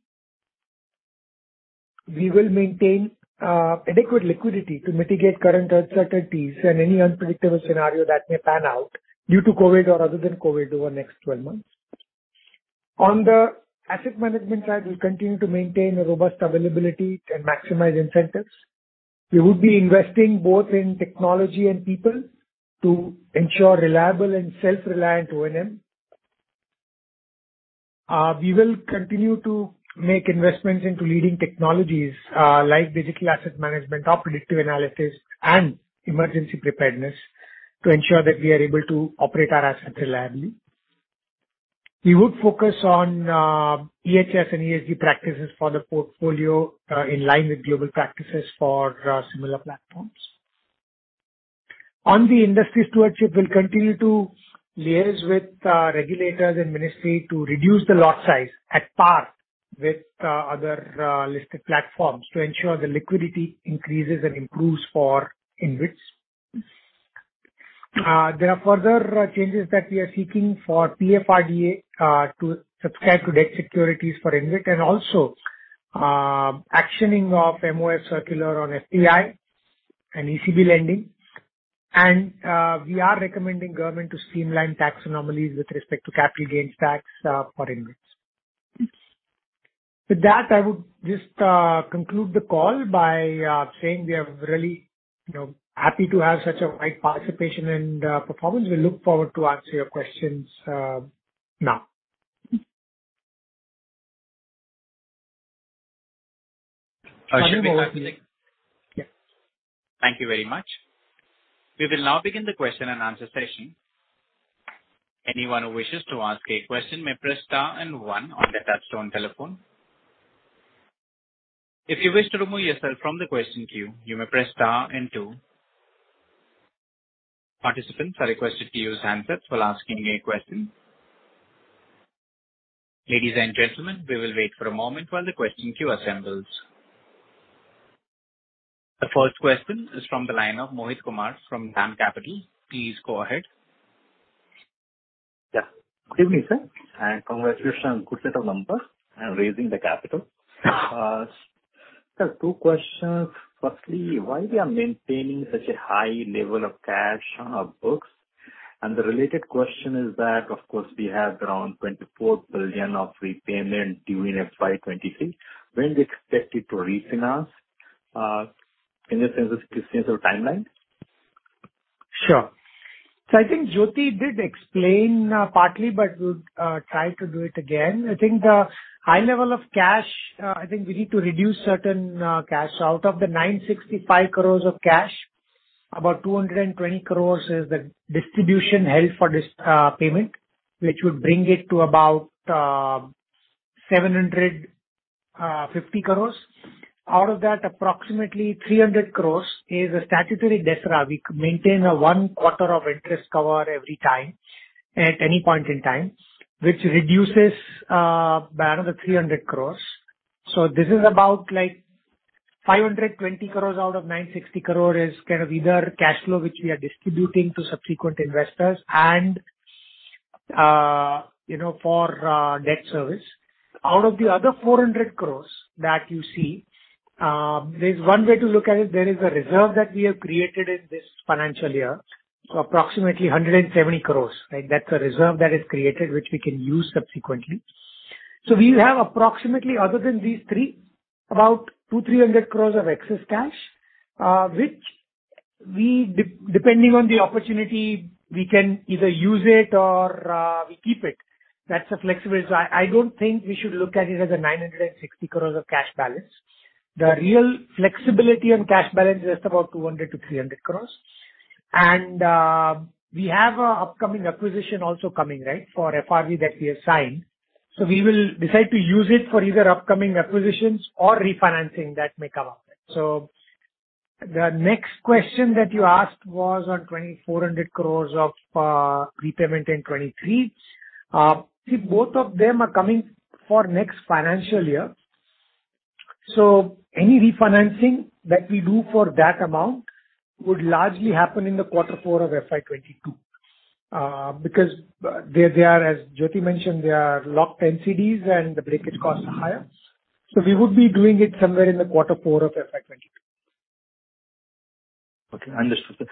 We will maintain adequate liquidity to mitigate current uncertainties and any unpredictable scenario that may pan out due to COVID or other than COVID over the next 12 months. On the asset management side, we'll continue to maintain a robust availability and maximize incentives. We would be investing both in technology and people to ensure reliable and self-reliant O&M. We will continue to make investments into leading technologies like digital asset management or predictive analysis and emergency preparedness to ensure that we are able to operate our assets reliably. We would focus on ESG practices for the portfolio in line with global practices for similar platforms. On the industry stewardship, we'll continue to liaise with regulators and ministry to reduce the lot size at par with other listed platforms to ensure the liquidity increases and improves for InvITs. There are further changes that we are seeking for PFRDA to subscribe to debt securities for InvIT and also actioning of MoF circular on FPI and ECB lending. We are recommending government to streamline tax anomalies with respect to capital gains tax for InvIT. With that, I would just conclude the call by saying we are really happy to have such a wide participation and performance. We look forward to answer your questions now. Thank you very much. We will now begin the question and answer session. Anyone who wishes to ask a question may press star and one on their touch-tone telephone. If you wish to remove yourself from the question queue, you may press star and two. Participants are requested to use hand lifts for asking a question. Ladies and gentlemen, we will wait for a moment while the question queue assembles. The first question is from the line of Mohit Kumar from DAM Capital. Please go ahead. Yeah. Good evening, sir, and congratulations on a good set of numbers and raising the capital. Sir, two questions. Firstly, why we are maintaining such a high level of cash on our books? The related question is that, of course, we have around 24 billion of repayment due in FY 2023. When do you expect it to refinance, in the sense of business or timeline? Sure. I think Jyoti did explain partly, but we'll try to do it again. I think the high level of cash, we need to reduce certain cash. Out of the 965 crores of cash, about 220 crores is the distribution held for payment, which would bring it to about 750 crores. Out of that, approximately 300 crores is a statutory. We maintain one quarter of interest cover every time, at any point in time, which reduces by another 300 crores. This is about 520 crores out of 960 crores is either cash flow, which we are distributing to subsequent investors and for debt service. Out of the other INR 400 crores that you see, there's one way to look at it. There is a reserve that we have created in this financial year, approximately 170 crores. That's a reserve that is created, which we can use subsequently. We have approximately other than these three, about 200 crores-300 crores of excess cash, which depending on the opportunity, we can either use it or we keep it. That's the flexibility. I don't think we should look at it as a 960 crores of cash balance. The real flexibility on cash balance is about 200 crores to 300 crores. We have our upcoming acquisition also coming for FRV that we have signed. We will decide to use it for either upcoming acquisitions or refinancing that may come out of it. The next question that you asked was on 2,400 crores of prepayment in 2023. I think both of them are coming for next financial year. Any refinancing that we do for that amount would largely happen in the quarter four of FY 2022. They are, as Jyoti mentioned, they are locked NCDs and the break it cost is higher. We would be doing it somewhere in the quarter four of FY 2022. Okay, understood, sir.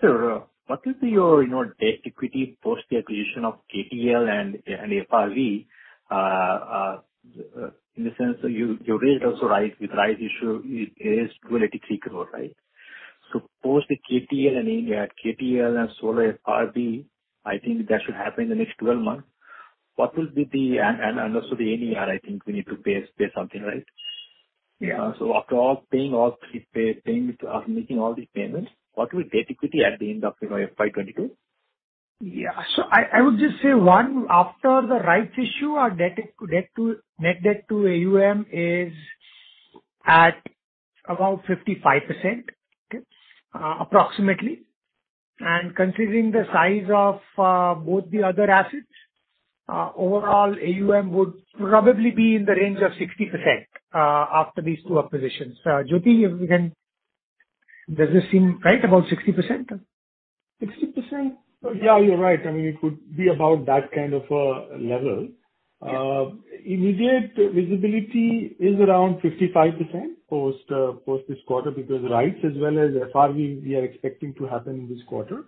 Sir, what is your debt equity post the acquisition of KTL and FRV? In a sense, you raised also with rights issue is 283 crore, right? Post the KTL and solar FRV, I think that should happen in the next 12 months. Understood ANR, I think we need to pay something, right? Yeah. After making all the payments, what will be debt equity at the end of FY 2022? Yeah. I would just say, after the rights issue, our net debt to AUM is at about 55%, approximately. Considering the size of both the other assets, overall AUM would probably be in the range of 60% after these two acquisitions. Jyoti, does it seem right, about 60%? 60%. You're right. It could be about that kind of a level. Immediate visibility is around 55% post this quarter because rights as well as FRV, we are expecting to happen this quarter.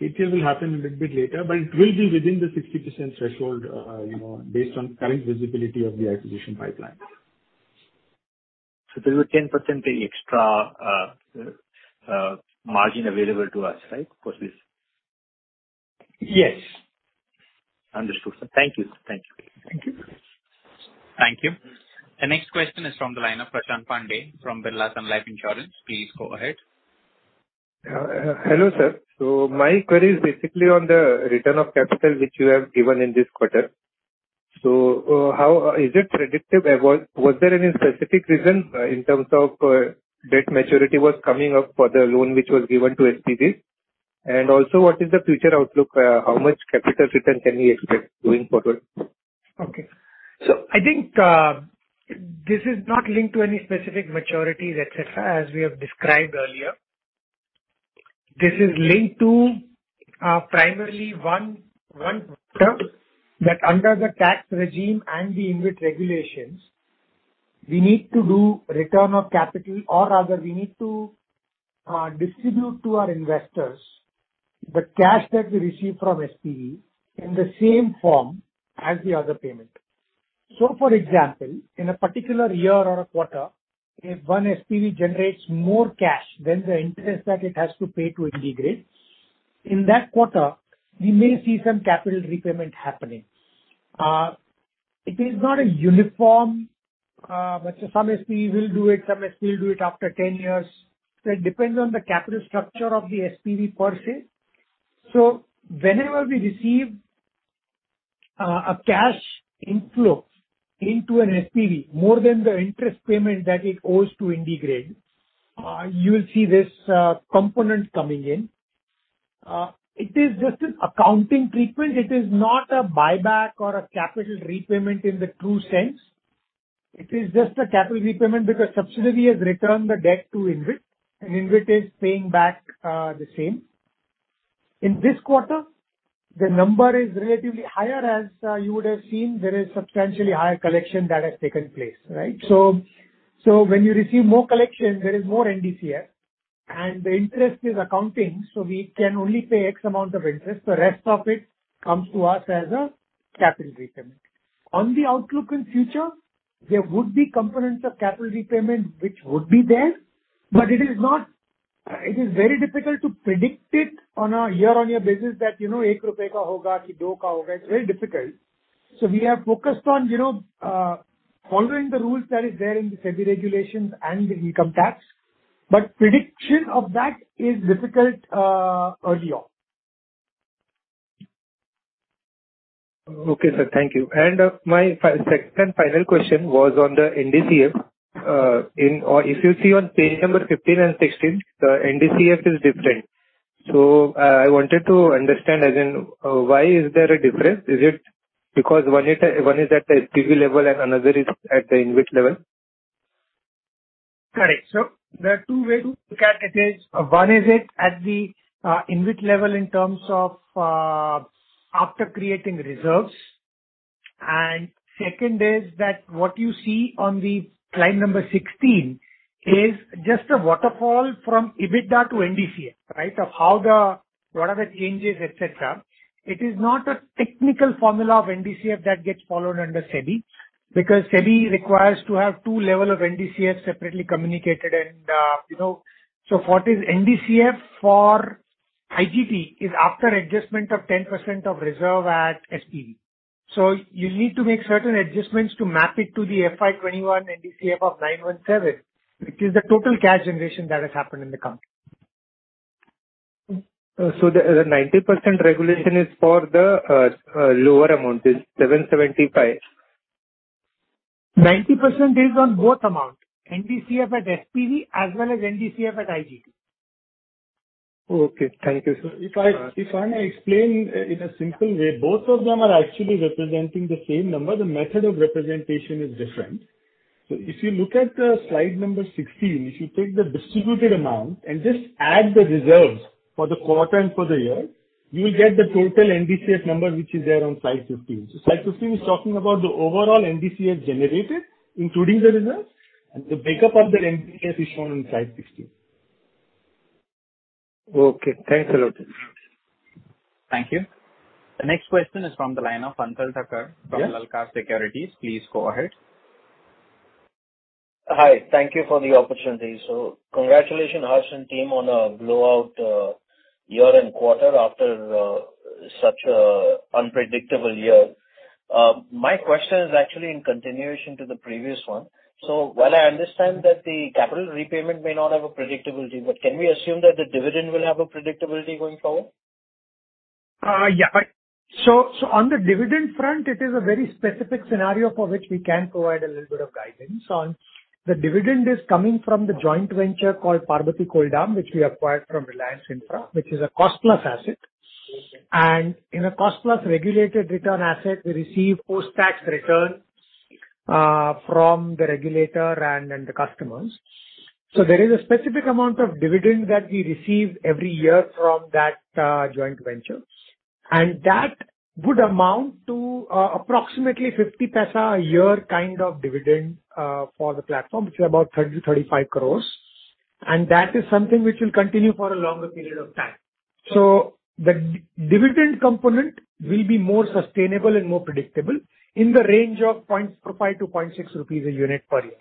KTL will happen a little bit later, but it will be within the 60% threshold based on current visibility of the acquisition pipeline. There's a 10% extra margin available to us, right? Post this. Yes. Understood, sir. Thank you. Thank you. Thank you. The next question is from the line of Prashant Pandey from Birla Sun Life Insurance. Please go ahead. Hello, sir. My query is basically on the return of capital which you have given in this quarter. Is it predictive? Was there any specific reason in terms of debt maturity was coming up for the loan which was given to SPV? What is the future outlook? How much capital return can we expect going forward? Okay. I think this is not linked to any specific maturities, as we have described earlier. This is linked to primarily one term, that under the tax regime and the InvIT regulations, we need to do return of capital, or rather, we need to distribute to our investors the cash that we receive from SPV in the same form as the other payments. For example, in a particular year or a quarter, if one SPV generates more cash than the interest that it has to pay to IndiGrid, in that quarter, we may see some capital repayment happening. It is not a uniform. Some SPVs will do it, some SPVs will do it after 10 years. It depends on the capital structure of the SPV per se. Whenever we receive a cash inflow into an SPV, more than the interest payment that it owes to IndiGrid, you will see this component coming in. It is just an accounting treatment. It is not a buyback or a capital repayment in the true sense. It is just a capital repayment because subsidiary has returned the debt to InvIT, and InvIT is paying back the same. In this quarter, the number is relatively higher, as you would have seen, there is substantially higher collection that has taken place. When you receive more collections, there is more NDCF, and the interest is accounting, so we can only pay X amount of interest. The rest of it comes to us as a capital repayment. On the outlook in future, there would be components of capital repayment which would be there, but it is very difficult to predict it on a year-on-year basis that it will be one rupee or two rupees. It's very difficult. We are focused on following the rules that is there in the SEBI regulations and the income tax. Prediction of that is difficult earlier. Okay, sir. Thank you. My second and final question was on the NDCF. If you see on page number 15 and 16, the NDCF is different. I wanted to understand again, why is there a difference? Is it because one is at the SPV level and another is at the InvIT level? Correct. There are two ways to look at it. One is it at the InvIT level in terms of after creating reserves. Second is that what you see on the slide number 16 is just a waterfall from EBITDA to NDCF. What are the changes, et cetera. It is not a technical formula of NDCF that gets followed under SEBI, because SEBI requires to have two level of NDCF separately communicated. What is NDCF for IndiGrid is after adjustment of 10% of reserve at SPV. You need to make certain adjustments to map it to the FY21 NDCF of 917, which is the total cash generation that has happened in the company. The 90% regulation is for the lower amount, this 775. 90% is on both amount, NDCF at SPV as well as NDCF at IndiGrid. Okay, thank you, sir. If I explain in a simple way, both of them are actually representing the same number. The method of representation is different. If you look at slide number 16, if you take the distributed amount and just add the reserves for the quarter and for the year, you will get the total NDCF number which is there on slide 15. Slide 15 is talking about the overall NDCF generated, including the reserve, and the makeup of that NDCF is shown in slide 16. Okay, thanks a lot. Thank you. The next question is from the line of Hansal Thacker from Lalkar Securities. Please go ahead. Hi. Thank you for the opportunity. Congratulations, Harsh and team on a blowout year and quarter after such a unpredictable year. My question is actually in continuation to the previous one. While I understand that the capital repayment may not have a predictability, but can we assume that the dividend will have a predictability going forward? On the dividend front, it is a very specific scenario for which we can provide a little bit of guidance on. The dividend is coming from the joint venture called Parbati Koldam, which we acquired from Reliance Infra, which is a cost-plus asset. Okay. In a cost-plus regulated return asset, we receive post-tax returns from the regulator and the customers. There is a specific amount of dividend that we receive every year from that joint venture, and that would amount to approximately 0.50 a year kind of dividend for the platform, which is about 30-35 crores. That is something which will continue for a longer period of time. The dividend component will be more sustainable and more predictable in the range of 0.5-0.6 rupees per unit per year.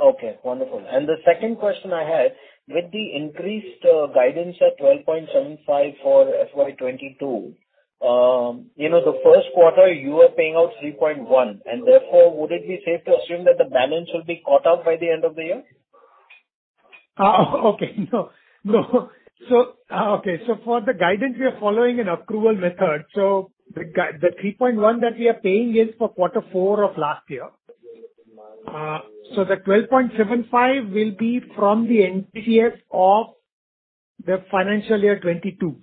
Okay, wonderful. The second question I had, with the increased guidance at 12.75 for FY 2022, the first quarter you were paying out 3.1, and therefore, would it be safe to assume that the balance will be caught up by the end of the year? Okay. No. For the guidance, we are following an accrual method. The 3.1 that we are paying is for quarter four of last year. The 12.75 will be from the NDCF of the FY 2022.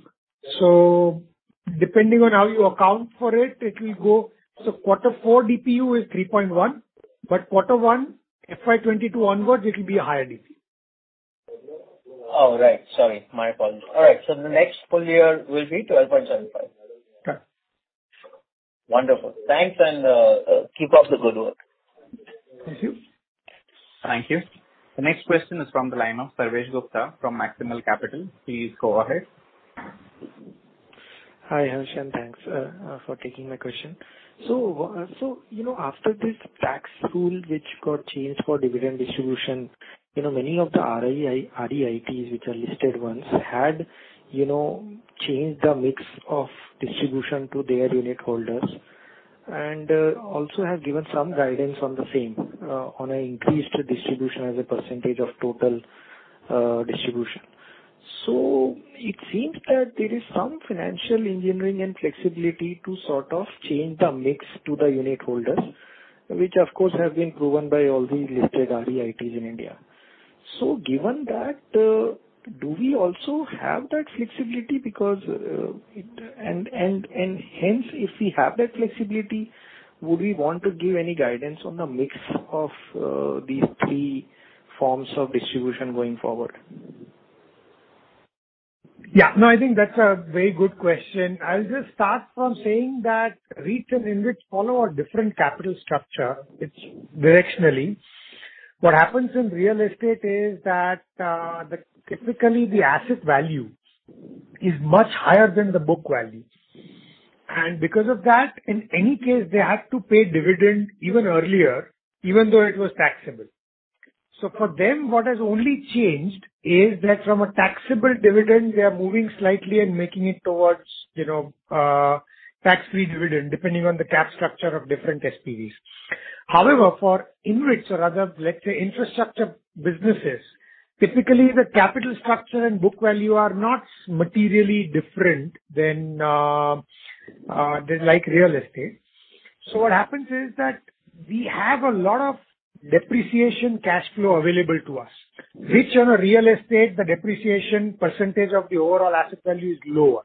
Depending on how you account for it will go. Quarter four DPU is 3.1, but quarter one FY 2022 onwards, it will be a higher DPU. Oh, right. Sorry, my fault. All right, the next full year will be 12.75. Yeah. Wonderful. Thanks, and keep up the good work. Thank you. The next question is from the line of Sarvesh Gupta from Maximal Capital. Please go ahead. Hi, Harsh Shah. Thanks for taking my question. After this tax rule, which got changed for dividend distribution, many of the REITs, which are listed ones, had changed the mix of distribution to their unitholders and also had given some guidance on the same, on an increased distribution as a % of total distribution. It seems that there is some financial engineering and flexibility to sort of change the mix to the unitholders, which of course, have been proven by all the listed REITs in India. Given that, do we also have that flexibility? Hence, if we have that flexibility, would we want to give any guidance on the mix of these three forms of distribution going forward? Yeah, no, I think that's a very good question. I'll just start from saying that REITs and InvITs follow a different capital structure. It's directionally. What happens in real estate is that typically the asset value is much higher than the book value. Because of that, in any case, they have to pay dividend even earlier, even though it was taxable. For them, what has only changed is that from a taxable dividend, we are moving slightly and making it towards tax-free dividend, depending on the cap structure of different SPVs. However, for InvITs or other, let's say, infrastructure businesses, typically the capital structure and book value are not materially different than real estate. What happens is that we have a lot of depreciation cash flow available to us, which on a real estate, the depreciation percentage of the overall asset value is lower.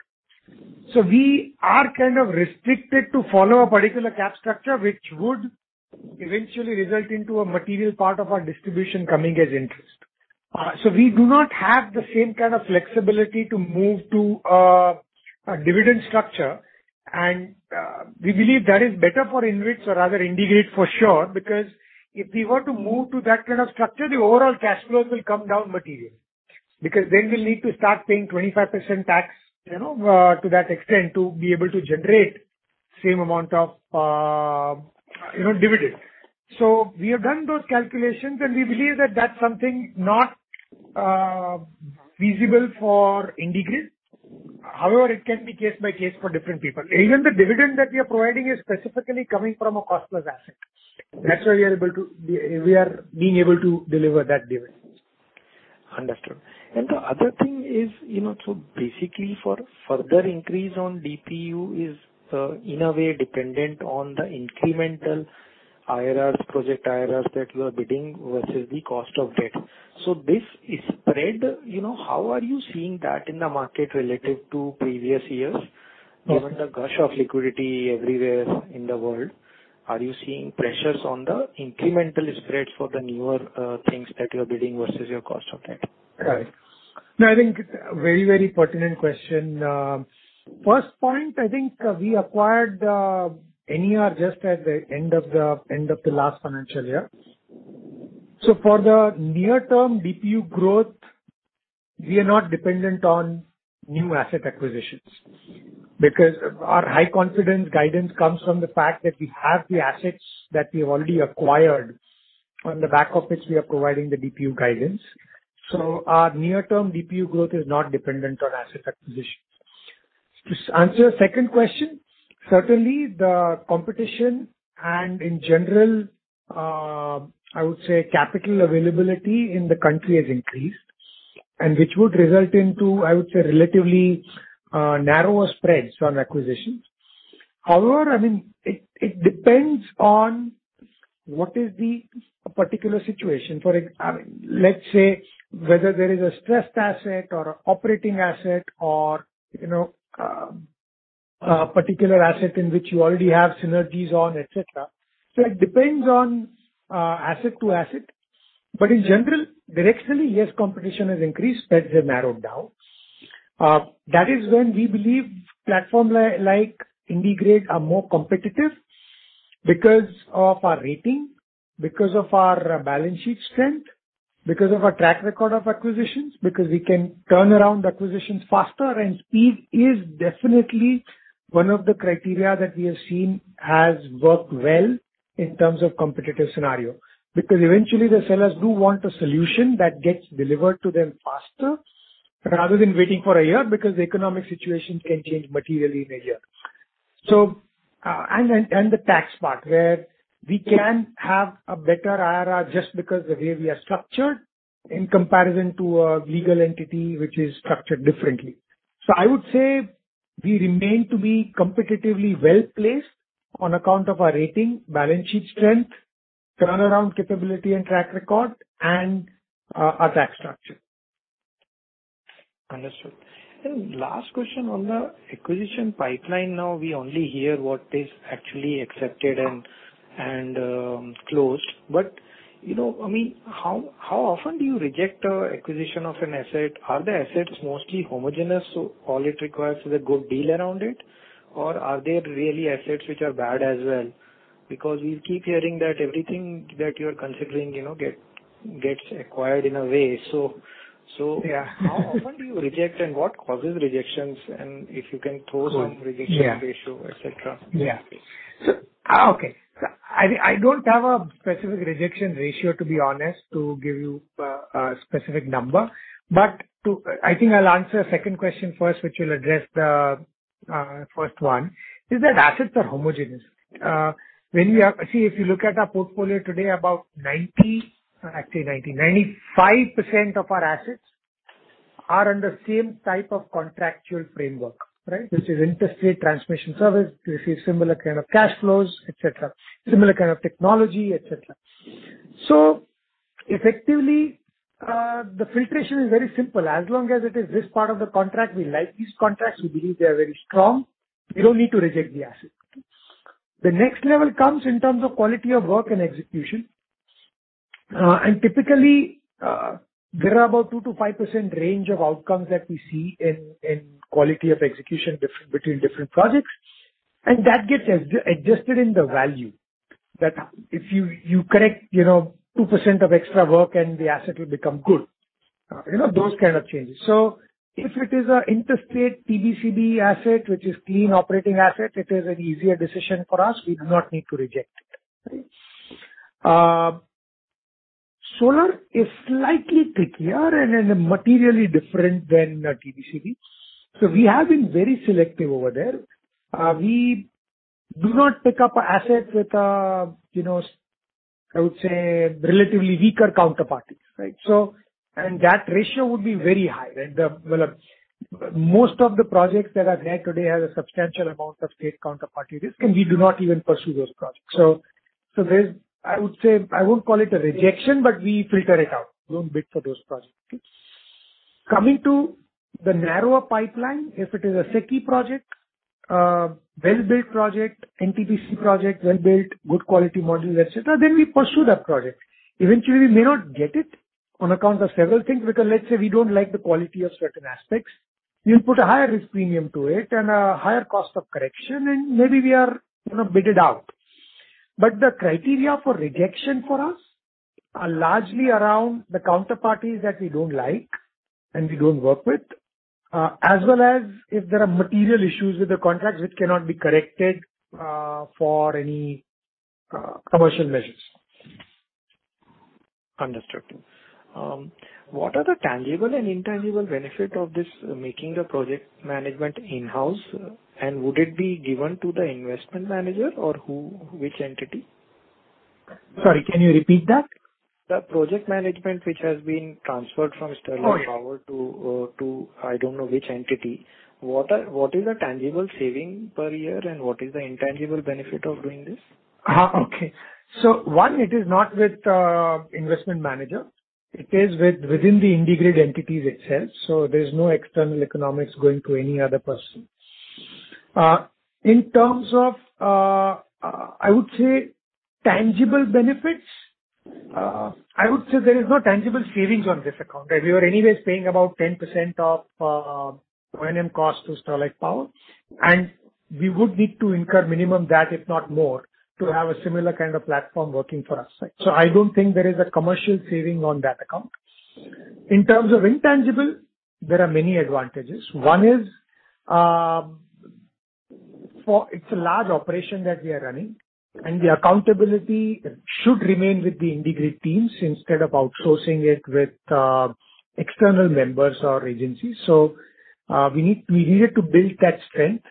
We are kind of restricted to follow a particular cap structure, which would eventually result into a material part of our distribution coming as interest. We do not have the same kind of flexibility to move to a dividend structure, and we believe that is better for InvITs or other IndiGrid for sure, because if we were to move to that kind of structure, the overall cash flow will come down materially. Then we'll need to start paying 25% tax, to that extent, to be able to generate same amount of dividend. We have done those calculations, and we believe that that's something not feasible for IndiGrid. However, it can be case by case for different people. Even the dividend that we are providing is specifically coming from our cost-plus asset. That's why we are being able to deliver that dividend. Understood. The other thing is, basically for a further increase on DPU is, in a way, dependent on the incremental IRRs, project IRRs that we are bidding versus the cost of debt. This spread, how are you seeing that in the market relative to previous years? Given the gush of liquidity everywhere in the world, are you seeing pressures on the incremental spreads for the newer things that you're bidding versus your cost of debt? Right. No, I think it's a very pertinent question. First point, I think we acquired NER just at the end of the last financial year. For the near-term DPU growth, we are not dependent on new asset acquisitions. Because our high confidence guidance comes from the fact that we have the assets that we've already acquired, on the back of which we are providing the DPU guidance. Our near-term DPU growth is not dependent on asset acquisition. To answer your second question, certainly the competition, and in general, I would say capital availability in the country has increased, and which would result into, I would say, relatively narrower spreads on acquisitions. However, it depends on what is the particular situation. Let's say whether there is a stressed asset or an operating asset or a particular asset in which you already have synergies on, et cetera. It depends on asset to asset. In general, directionally, yes, competition has increased, spreads have narrowed down. That is when we believe platforms like IndiGrid are more competitive because of our rating, because of our balance sheet strength, because of our track record of acquisitions, because we can turn around acquisitions faster, and speed is definitely one of the criteria that we have seen has worked well in terms of competitive scenario. Because eventually the sellers do want a solution that gets delivered to them faster rather than waiting for a year, because the economic situation can change materially in a year. The tax part, where we can have a better IRR just because the way we are structured in comparison to a legal entity which is structured differently. We remain to be competitively well-placed on account of our rating, balance sheet strength, turnaround capability, and track record, and our tax structure. Understood. Last question on the acquisition pipeline now. We only hear what is actually accepted and closed. How often do you reject acquisition of an asset? Are the assets mostly homogenous, so all it requires is a good deal around it? Are there really assets which are bad as well? We keep hearing that everything that you're considering gets acquired in a way. Yeah. How often do you reject and what causes rejections, and if you can throw some rejection ratio, etc? Yeah. Okay. I don't have a specific rejection ratio, to be honest, to give you a specific number. I think I'll answer the second question first, which will address the first one. Assets are homogenous. If you look at our portfolio today, about 90, actually 95% of our assets are under the same type of contractual framework. Which is interstate transmission service. They see similar kind of cash flows, et cetera. Similar kind of technology, et cetera. Effectively, the filtration is very simple. As long as it is this part of the contract, we like these contracts, we believe they are very strong, we don't need to reject the asset. The next level comes in terms of quality of work and execution. Typically, there are about 2%-5% range of outcomes that we see in quality of execution between different projects, that gets adjusted in the value. That if you correct 2% of extra work, then the asset will become good. Those kind of changes. If it is an interstate TBCB asset, which is clean operating asset, it is an easier decision for us. We do not need to reject it. Solar is slightly trickier and materially different than a TBCB. We have been very selective over there. We do not pick up assets with, I would say, relatively weaker counterparties. That ratio would be very high. Most of the projects that are there today have a substantial amount of state counterparty risk, we do not even pursue those projects. I would say, I won't call it a rejection, but we filter it out. We don't bid for those projects. Coming to the narrower pipeline, if it is a SECI project, well-built project, NTPC project, well-built, good quality module, et cetera, then we pursue that project. Eventually, we may not get it on account of several things, because let's say we don't like the quality of certain aspects. We'll put a higher risk premium to it and a higher cost of correction, and maybe we are bidded out. The criteria for rejection for us are largely around the counterparties that we don't like and we don't work with, as well as if there are material issues with the contract which cannot be corrected for any commercial measures. Understood. What are the tangible and intangible benefit of this making the project management in-house? Would it be given to the investment manager or which entity? Sorry, can you repeat that? The project management which has been transferred from Sterlite Power to I don't know which entity. What is the tangible saving per year and what is the intangible benefit of doing this? Okay. One, it is not with the investment manager. It is within the integrated entity itself, so there's no external economics going to any other person. In terms of tangible benefits, I would say there is no tangible savings on this account. We are anyways paying about 10% of O&M cost to Sterlite Power, and we would need to incur minimum that, if not more, to have a similar kind of platform working for us. I don't think there is a commercial saving on that account. In terms of intangible, there are many advantages. One is, it's a large operation that we are running, and the accountability should remain with the integrated teams instead of outsourcing it with external members or agencies. We needed to build that strength.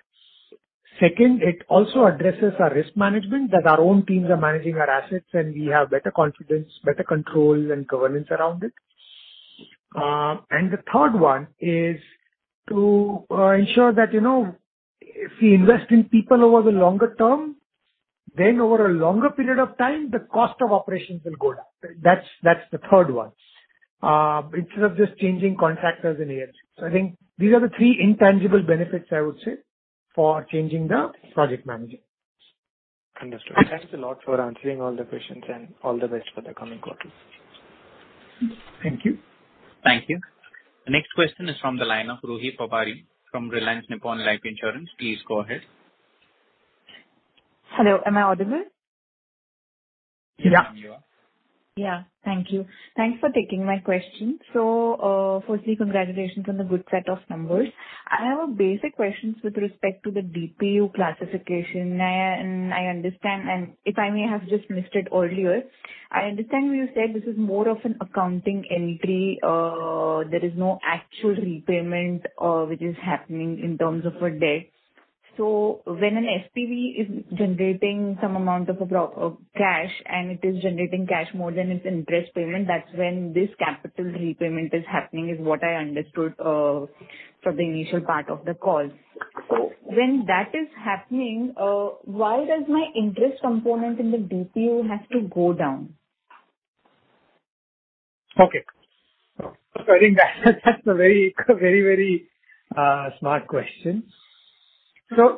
It also addresses our risk management, that our own teams are managing our assets and we have better confidence, better control and governance around it. The third one is to ensure that if we invest in people over the longer term, then over a longer period of time, the cost of operations will go down. That's the third one. Instead of just changing contractors in a year. I think these are the three intangible benefits, I would say, for changing the project management. Understood. Thanks a lot for answering all the questions, and all the best for the coming quarter. Thank you. Thank you. Next question is from the line of Ruhi Pabari from Reliance Nippon Life Insurance. Please go ahead. Hello, am I audible? Yeah. Thank you. Thanks for taking my question. Firstly, congratulations on the good set of numbers. I have a basic question with respect to the DPU classification. I understand, and if I may have just missed it earlier, I understand you said this is more of an accounting entry, there is no actual repayment which is happening in terms of a debt. When an SPV is generating some amount of cash, and it is generating cash more than its interest payment, that's when this capital repayment is happening, is what I understood from the initial part of the call. When that is happening, why does my interest component in the DPU have to go down? Okay. Very smart question. There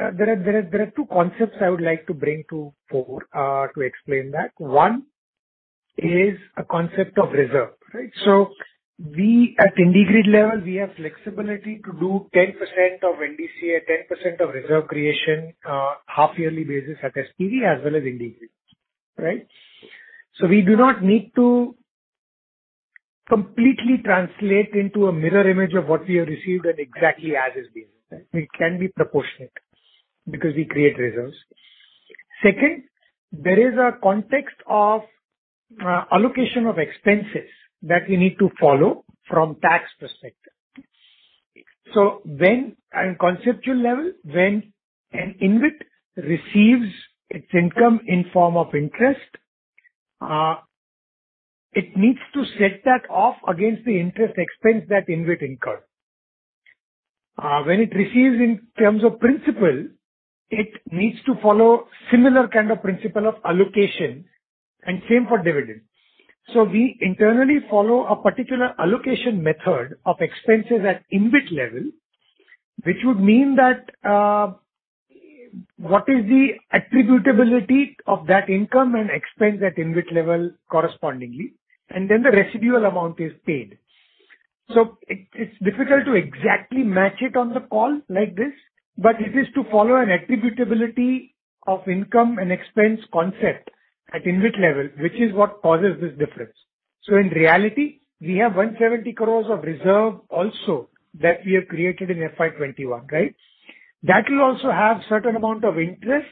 are two concepts I would like to bring forward to explain that. One is a concept of reserve. At IndiGrid level, we have flexibility to do 10% of NDCF, 10% of reserve creation, half-yearly basis at SPV as well as IndiGrid. We do not need to completely translate into a mirror image of what we have received and exactly as is based. It can be proportionate because we create reserves. Second, there is a context of allocation of expenses that we need to follow from tax perspective. At a conceptual level, when an InvIT receives its income in form of interest, it needs to set that off against the interest expense that InvIT incurred. When it receives in terms of principal, it needs to follow similar kind of principle of allocation, and same for dividends. We internally follow a particular allocation method of expenses at InvIT level, which would mean that what is the attributability of that income and expense at InvIT level correspondingly, and then the residual amount is paid. It's difficult to exactly match it on the call like this, but it is to follow an attributability of income and expense concept at InvIT level, which is what causes this difference. In reality, we have 170 crores of reserve also that we have created in FY 2021. That will also have certain amount of interest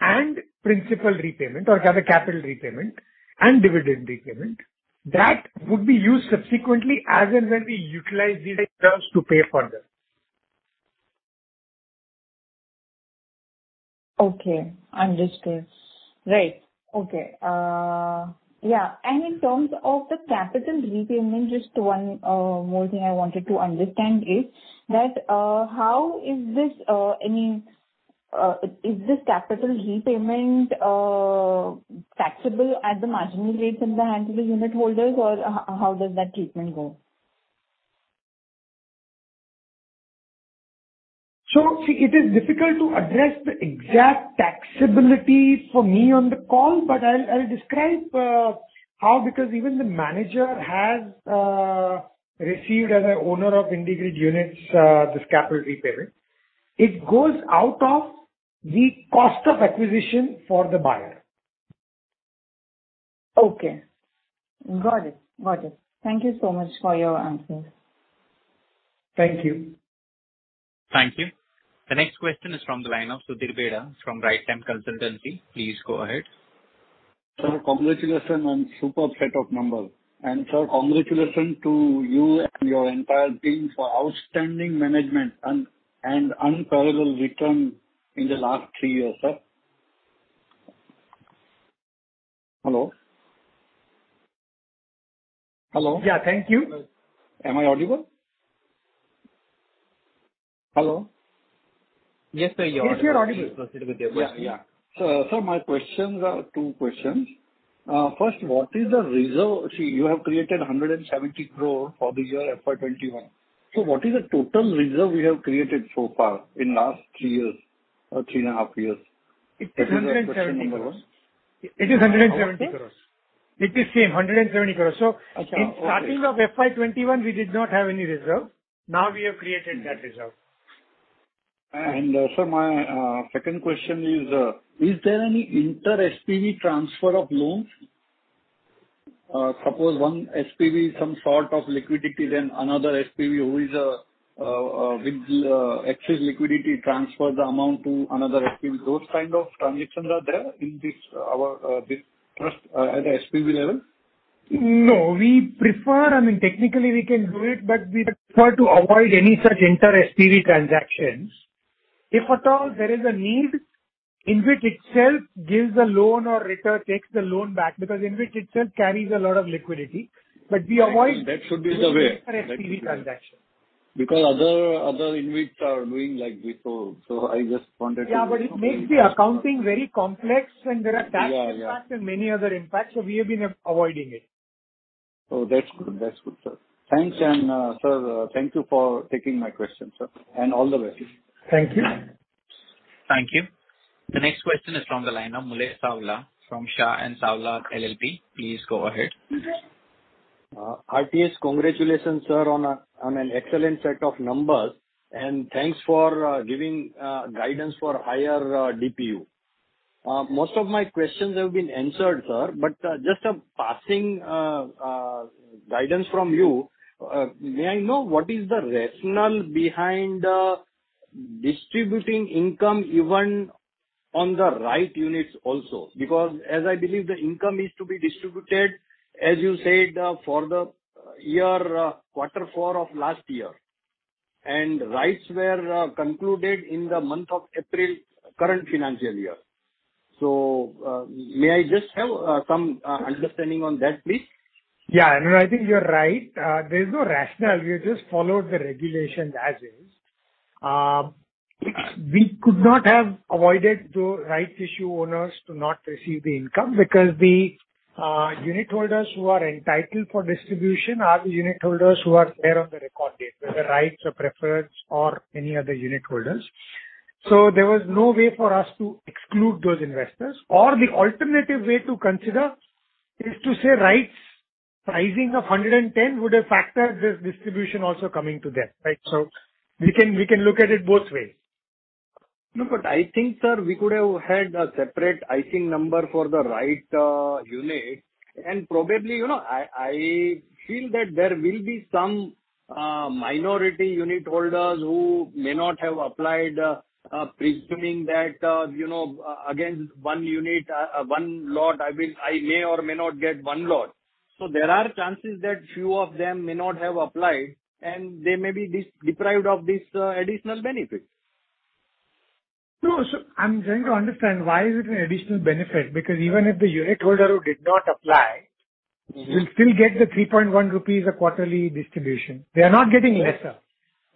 and principal repayment or capital repayment and dividend repayment that would be used subsequently as and when we utilize the reserves to pay for this. Okay, understood. Right. Okay. In terms of the capital repayment, just one more thing I wanted to understand is that, is this capital repayment taxable at the marginal rate in the hands of the unitholders, or how does that treatment go? It is difficult to address the exact taxability for me on the call, but I'll describe how, because even the manager has received as an owner of IndiGrid Units, this capital repayment. It goes out of the cost of acquisition for the buyer. Okay. Got it. Thank you so much for your answers. Thank you. Thank you. The next question is from the line of Sudhir Bheda from Right Time Consultancy. Please go ahead. Sir, congratulations on super set of number. Sir, congratulations to you and your entire team for outstanding management and unparalleled return in the last three years, sir. Hello? Hello? Yeah. Thank you. Am I audible? Hello? Yes, sir. You are audible. Yes, you're audible. Yeah. My questions are two questions. First, what is the reserve? You have created 170 crore for this year, FY 2021. What is the total reserve you have created so far in last three years or three and a half years? It is 170 crores. It is same, 170 crores. In starting of FY 2021, we did not have any reserve. Now we have created that reserve. Sir, my second question is there any inter-SPV transfer of loans? Suppose one SPV is some sort of liquidity, then another SPV with excess liquidity transfers the amount to another SPV. Those kind of transitions are there at SPV level? No, we prefer, I mean, technically we can do it, but we prefer to avoid any such inter-SPV transactions. If at all there is a need, InvIT itself gives the loan or rather takes the loan back because InvIT itself carries a lot of liquidity. That should be the way. inter-SPV transaction. Because other InvITs are doing like this, so I just wondered. Yeah. It makes the accounting very complex and there are tax impacts and many other impacts, so we have been avoiding it. Oh, that's good, sir. Thanks. Sir, thank you for taking my question, sir, and all the best. Thank you. Thank you. The next question is from the line of Mulay Sawla from Shah & Sawla LLP. Please go ahead. Hi, congratulations sir on an excellent set of numbers and thanks for giving guidance for higher DPU. Most of my questions have been answered, sir. Just a passing guidance from you, may I know what is the rationale behind distributing income even on the right units also, because as I believe the income is to be distributed, as you said, for the year quarter four of last year, and rights were concluded in the month of April current financial year? May I just have some understanding on that, please? Yeah. No, I think you're right. There's no rationale. We just followed the regulations as is. We could not have avoided those rights issue owners to not receive the income because the unitholders who are entitled for distribution are the unitholders who are there on the record date, whether rights or preference or any other unitholders. There was no way for us to exclude those investors. Or the alternative way to consider is to say rights pricing of 110 would have factored this distribution also coming together. We can look at it both ways. I think, sir, we could have had a separate IT number for the right unit. Probably, I feel that there will be some minority unitholders who may not have applied presuming that against one unit, one lot, I may or may not get one lot. There are chances that few of them may not have applied, and they may be deprived of this additional benefit. No. I'm trying to understand why is it an additional benefit? Because even if the unitholder did not apply, they'll still get the 3.1 rupees quarterly distribution. They're not getting lesser.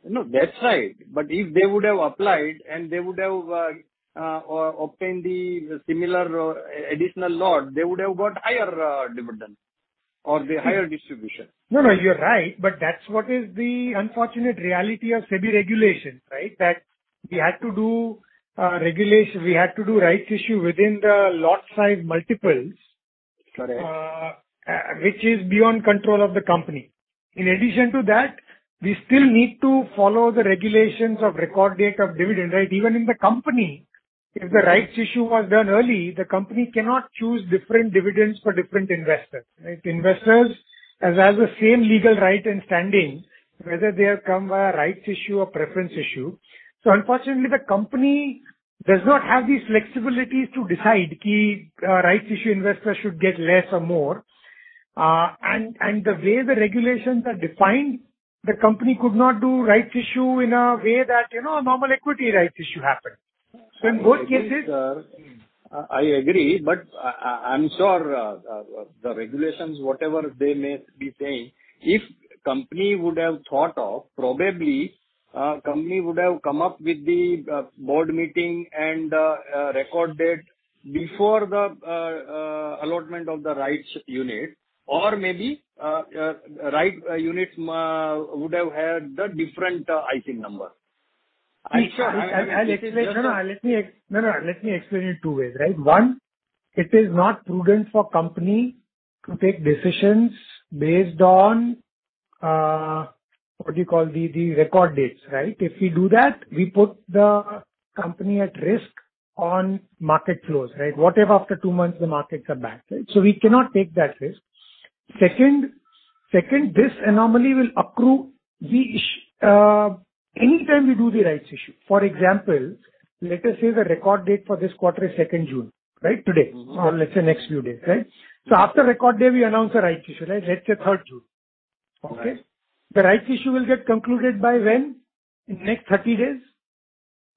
No, that's right. If they would have applied and they would have obtained the similar additional lot, they would have got higher dividend or the higher distribution. No, you're right. That's what is the unfortunate reality of SEBI regulations. That we had to do rights issue within the lot size multiples. Correct which is beyond control of the company. In addition to that, we still need to follow the regulations of record date of dividend. Even in the company, if the rights issue was done early, the company cannot choose different dividends for different investors. Investors have the same legal right and standing, whether they have come via rights issue or preference issue. Unfortunately, the company does not have the flexibility to decide key rights issue investors should get less or more. The way the regulations are defined, the company could not do rights issue in a way that a normal equity rights issue happens. I agree, but I'm sure the regulations, whatever they may be saying, if company would have thought of, probably company would have come up with the board meeting and the record date before the allotment of the rights unit or maybe rights unit would have had the different ID number. No, let me explain it two ways. One, it is not prudent for company to take decisions based on the record dates. If we do that, we put the company at risk on market flows. What if after two months the markets are bad? We cannot take that risk. Second, this anomaly will accrue anytime we do the rights issue. For example, let us say the record date for this quarter is 2nd June. Today or let's say next few days. After record day, we announce a rights issue. Let's say 3rd June. Okay. The rights issue will get concluded by when? In next 30 days?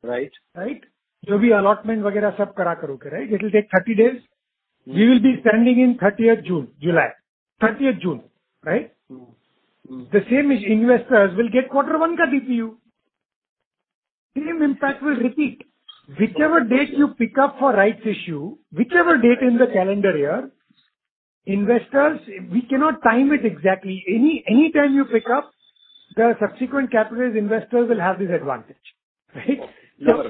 Right. Right. Whatever allotment, et cetera. It will take 30 days. We will be standing in 30th June. July. 30th June. The same investors will get quarter one KDPU. The same impact will repeat. Whichever date you pick up for rights issue, whichever date in the calendar year, investors, we cannot time it exactly. Any time you pick up, the subsequent capitalized investors will have this advantage. No.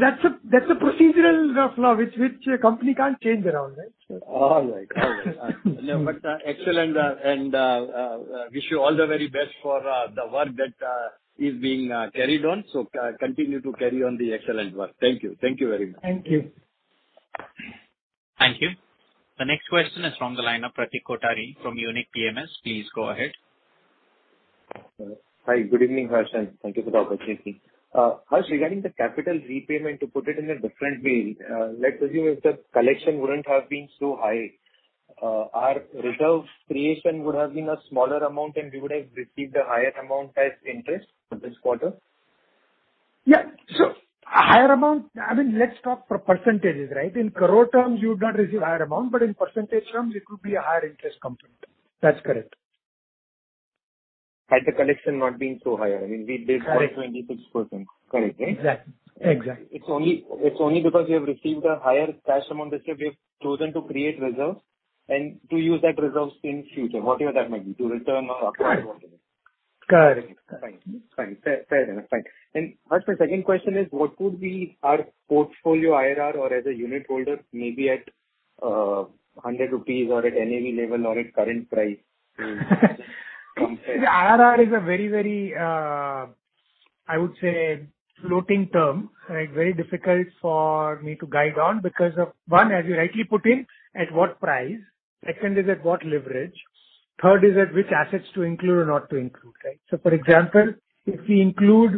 That's a procedural law which a company can't change around. All right. Excellent, and wish you all the very best for the work that is being carried on. Continue to carry on the excellent work. Thank you. Thank you very much. Thank you. Thank you. The next question is from the line of Pratik Kothari from Unique PMS. Please go ahead. Hi, good evening, Harsh. Thank you for the opportunity. Harsh, regarding the capital repayment, to put it in a different way, let's assume if the collection wouldn't have been so high, our reserve creation would have been a smaller amount, we would have received a higher amount as interest for this quarter? Higher amount, let's talk %. In crore terms, you've got a little higher amount, but in % terms, it would be a higher interest component. That's correct. Had the collection not been so high, it'd be 26%. Correct? Exactly. It's only because you have received a higher cash amount that you have chosen to create reserves and to use that reserves in future, whatever that may be, to return-. Correct. Fair enough. Harsh, my second question is, what would be our portfolio IRR or as a unitholder, maybe at 100 rupees or at any level or at current price? IRR is a very, I would say, floating term. Very difficult for me to guide on because of one, as you rightly put in, at what price. Second is at what leverage. Third is that which assets to include or not to include. For example, if you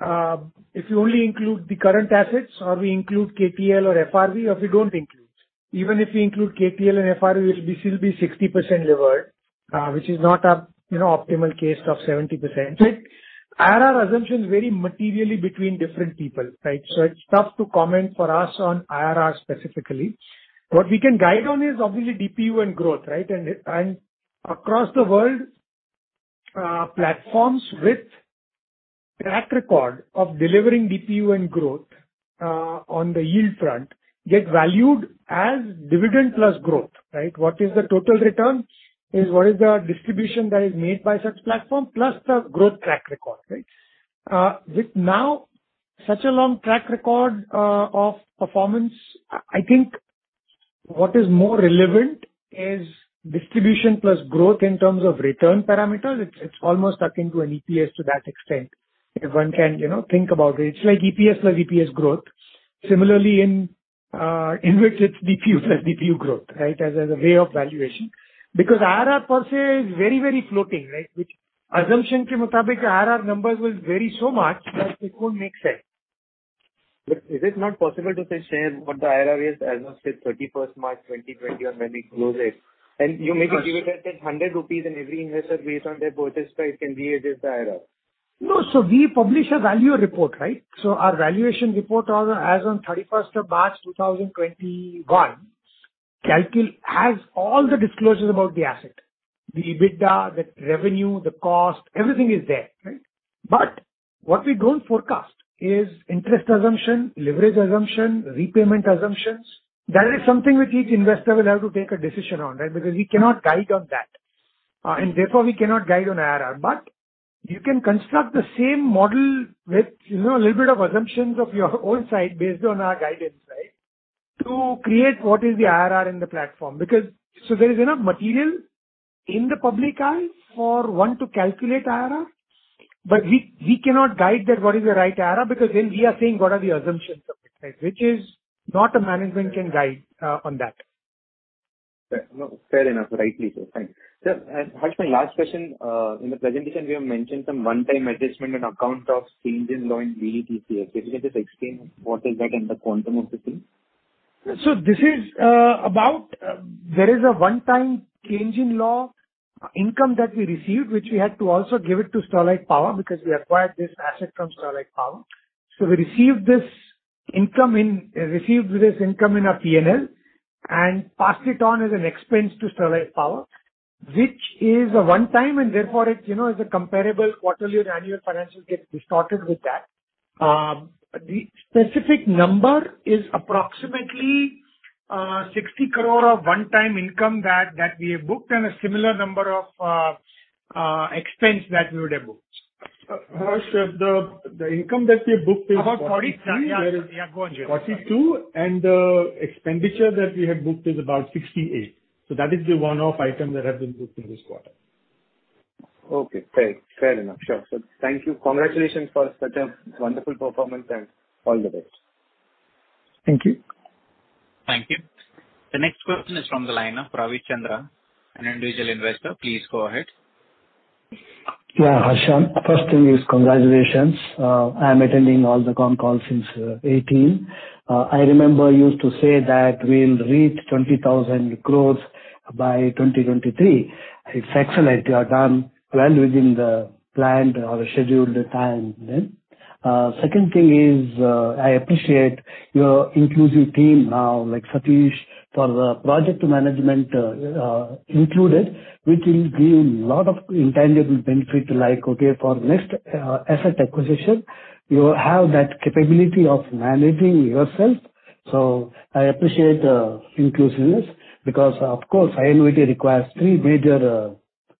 only include the current assets, or we include KTL or FRV, or we don't include. Even if we include KTL and FRV, this will be 60% levered, which is not an optimal case of 70%. IRR assumption is very materially between different people. It's tough to comment for us on IRR specifically. What we can guide on is obviously DPU and growth. Across the world, platforms with track record of delivering DPU and growth on the yield front get valued as dividend plus growth. What is the total return? What is the distribution that is made by such platform plus the growth track record. With now such a long track record of performance, I think what is more relevant is distribution plus growth in terms of return parameters. It's almost, I think, an EPS to that extent, if one can think about it. It's like EPS or EPS growth. Similarly, in InvITs, it's DPU plus DPU growth, as a way of valuation. IRR per se is very floating. According to assumption, IRR numbers will vary so much that it won't make sense. It is not possible to say what the IRR is as of, say, 31st March 2020 or when we close it. You make a dividend pay of 100 rupees, and every investor, based on their purchase price, can read it as the IRR. No. We publish a valuer report. Our valuation report as on 31st of March 2021 has all the disclosures about the asset. The EBITDA, the revenue, the cost, everything is there. What we don't forecast is interest assumption, leverage assumption, repayment assumptions. That is something that each investor will have to make a decision on, because we cannot guide on that. Therefore, we cannot guide on IRR. You can construct the same model with a little bit of assumptions of your own side based on our guidance to create what is the IRR in the platform. There is enough material in the public eye for one to calculate IRR, but we cannot guide that what is the right IRR because then we are saying what are the assumptions of it. Which is not a management can guide on that. Fair enough. Rightly so. Fine. Sir, my last question. In the presentation, you have mentioned some one-time adjustment on account of change in law in DPDP. Can you just explain what is that and the quantum of the same? There is a one-time change in law income that we received, which we had to also give it to Sterlite Power because we acquired this asset from Sterlite Power. We received this income in our P&L and passed it on as an expense to Sterlite Power, which is a one-time, and therefore it is a comparable. Whatever your annual financial gets distorted with that. The specific number is approximately 60 crore of one-time income that we have booked and a similar number of expense that we would have booked. Harsh, the income that we booked is- About 47. Yeah, go ahead. 42, the expenditure that we have booked is about 68. That is the one-off item that has been booked in this quarter. Okay, fair enough. Sure. Thank you. Congratulations for such a wonderful performance, and all the best. Thank you. Thank you. The next question is from the line of K. Ravichandran, an individual investor. Please go ahead. Yeah, Harsh. First thing is congratulations. I'm attending all the con calls since 2018. I remember you used to say that we'll reach 20,000 crores by 2023. It's excellent. You have done well within the planned or scheduled time. Second thing is, I appreciate your inclusive team now, like Satish for the project management included, which will give lot of intangible benefit like, okay, for next asset acquisition, you have that capability of managing yourself. I appreciate the inclusiveness because, of course, InvIT requires three major.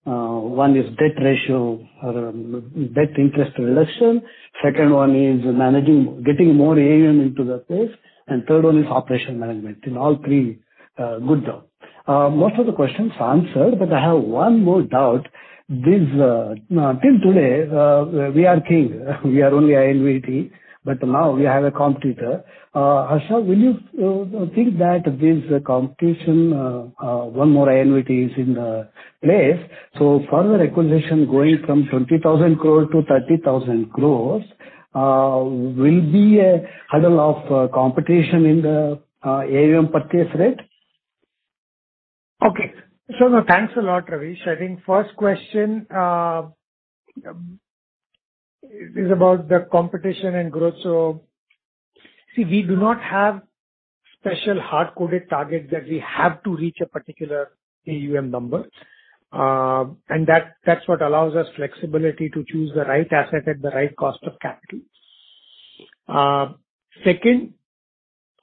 One is debt ratio or debt interest reduction. Second one is managing, getting more AUM into the place, and third one is operation management. In all three, good job. Most of the questions are answered, but I have one more doubt. Till today, we are king. We are only InvIT, but now we have a competitor. Harsh, will you think that this competition, one more InvIT is in the place, so further acquisition going from 20,000 crore to 30,000 crore will be a hurdle of competition in the AUM per se? Okay. Thanks a lot, Ravish. I think first question is about the competition and growth. See, we do not have special hard-coded target that we have to reach a particular AUM number. That's what allows us flexibility to choose the right asset at the right cost of capital. Second,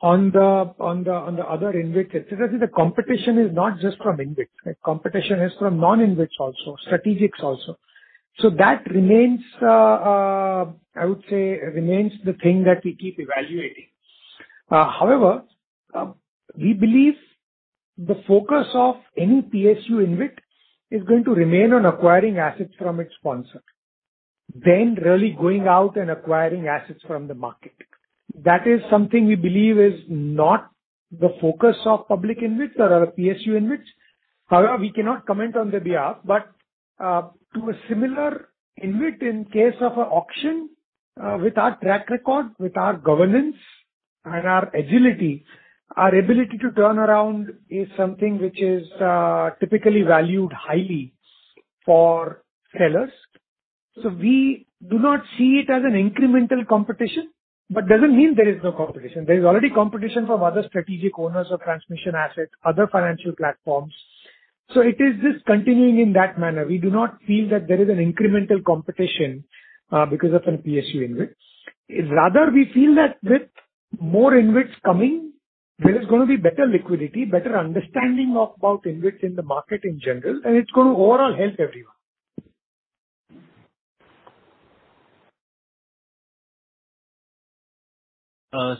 on the other InvITs, the competition is not just from InvIT. Competition is from non-InvITs also, strategics also. That, I would say, remains the thing that we keep evaluating. However, we believe the focus of any PSU InvIT is going to remain on acquiring assets from its sponsor Then really going out and acquiring assets from the market. That is something we believe is not the focus of public InvITs or our PSU InvITs. We cannot comment on their behalf, but to a similar InvIT in case of an auction, with our track record, with our governance and our agility, our ability to turn around is something which is typically valued highly for sellers. We do not see it as an incremental competition, but doesn't mean there is no competition. There is already competition from other strategic owners of transmission assets, other financial platforms. It is just continuing in that manner. We do not feel that there is an incremental competition because of an PSU InvIT. Rather, we feel that with more InvITs coming, there is going to be better liquidity, better understanding about InvITs in the market in general, and it's going to overall help everyone.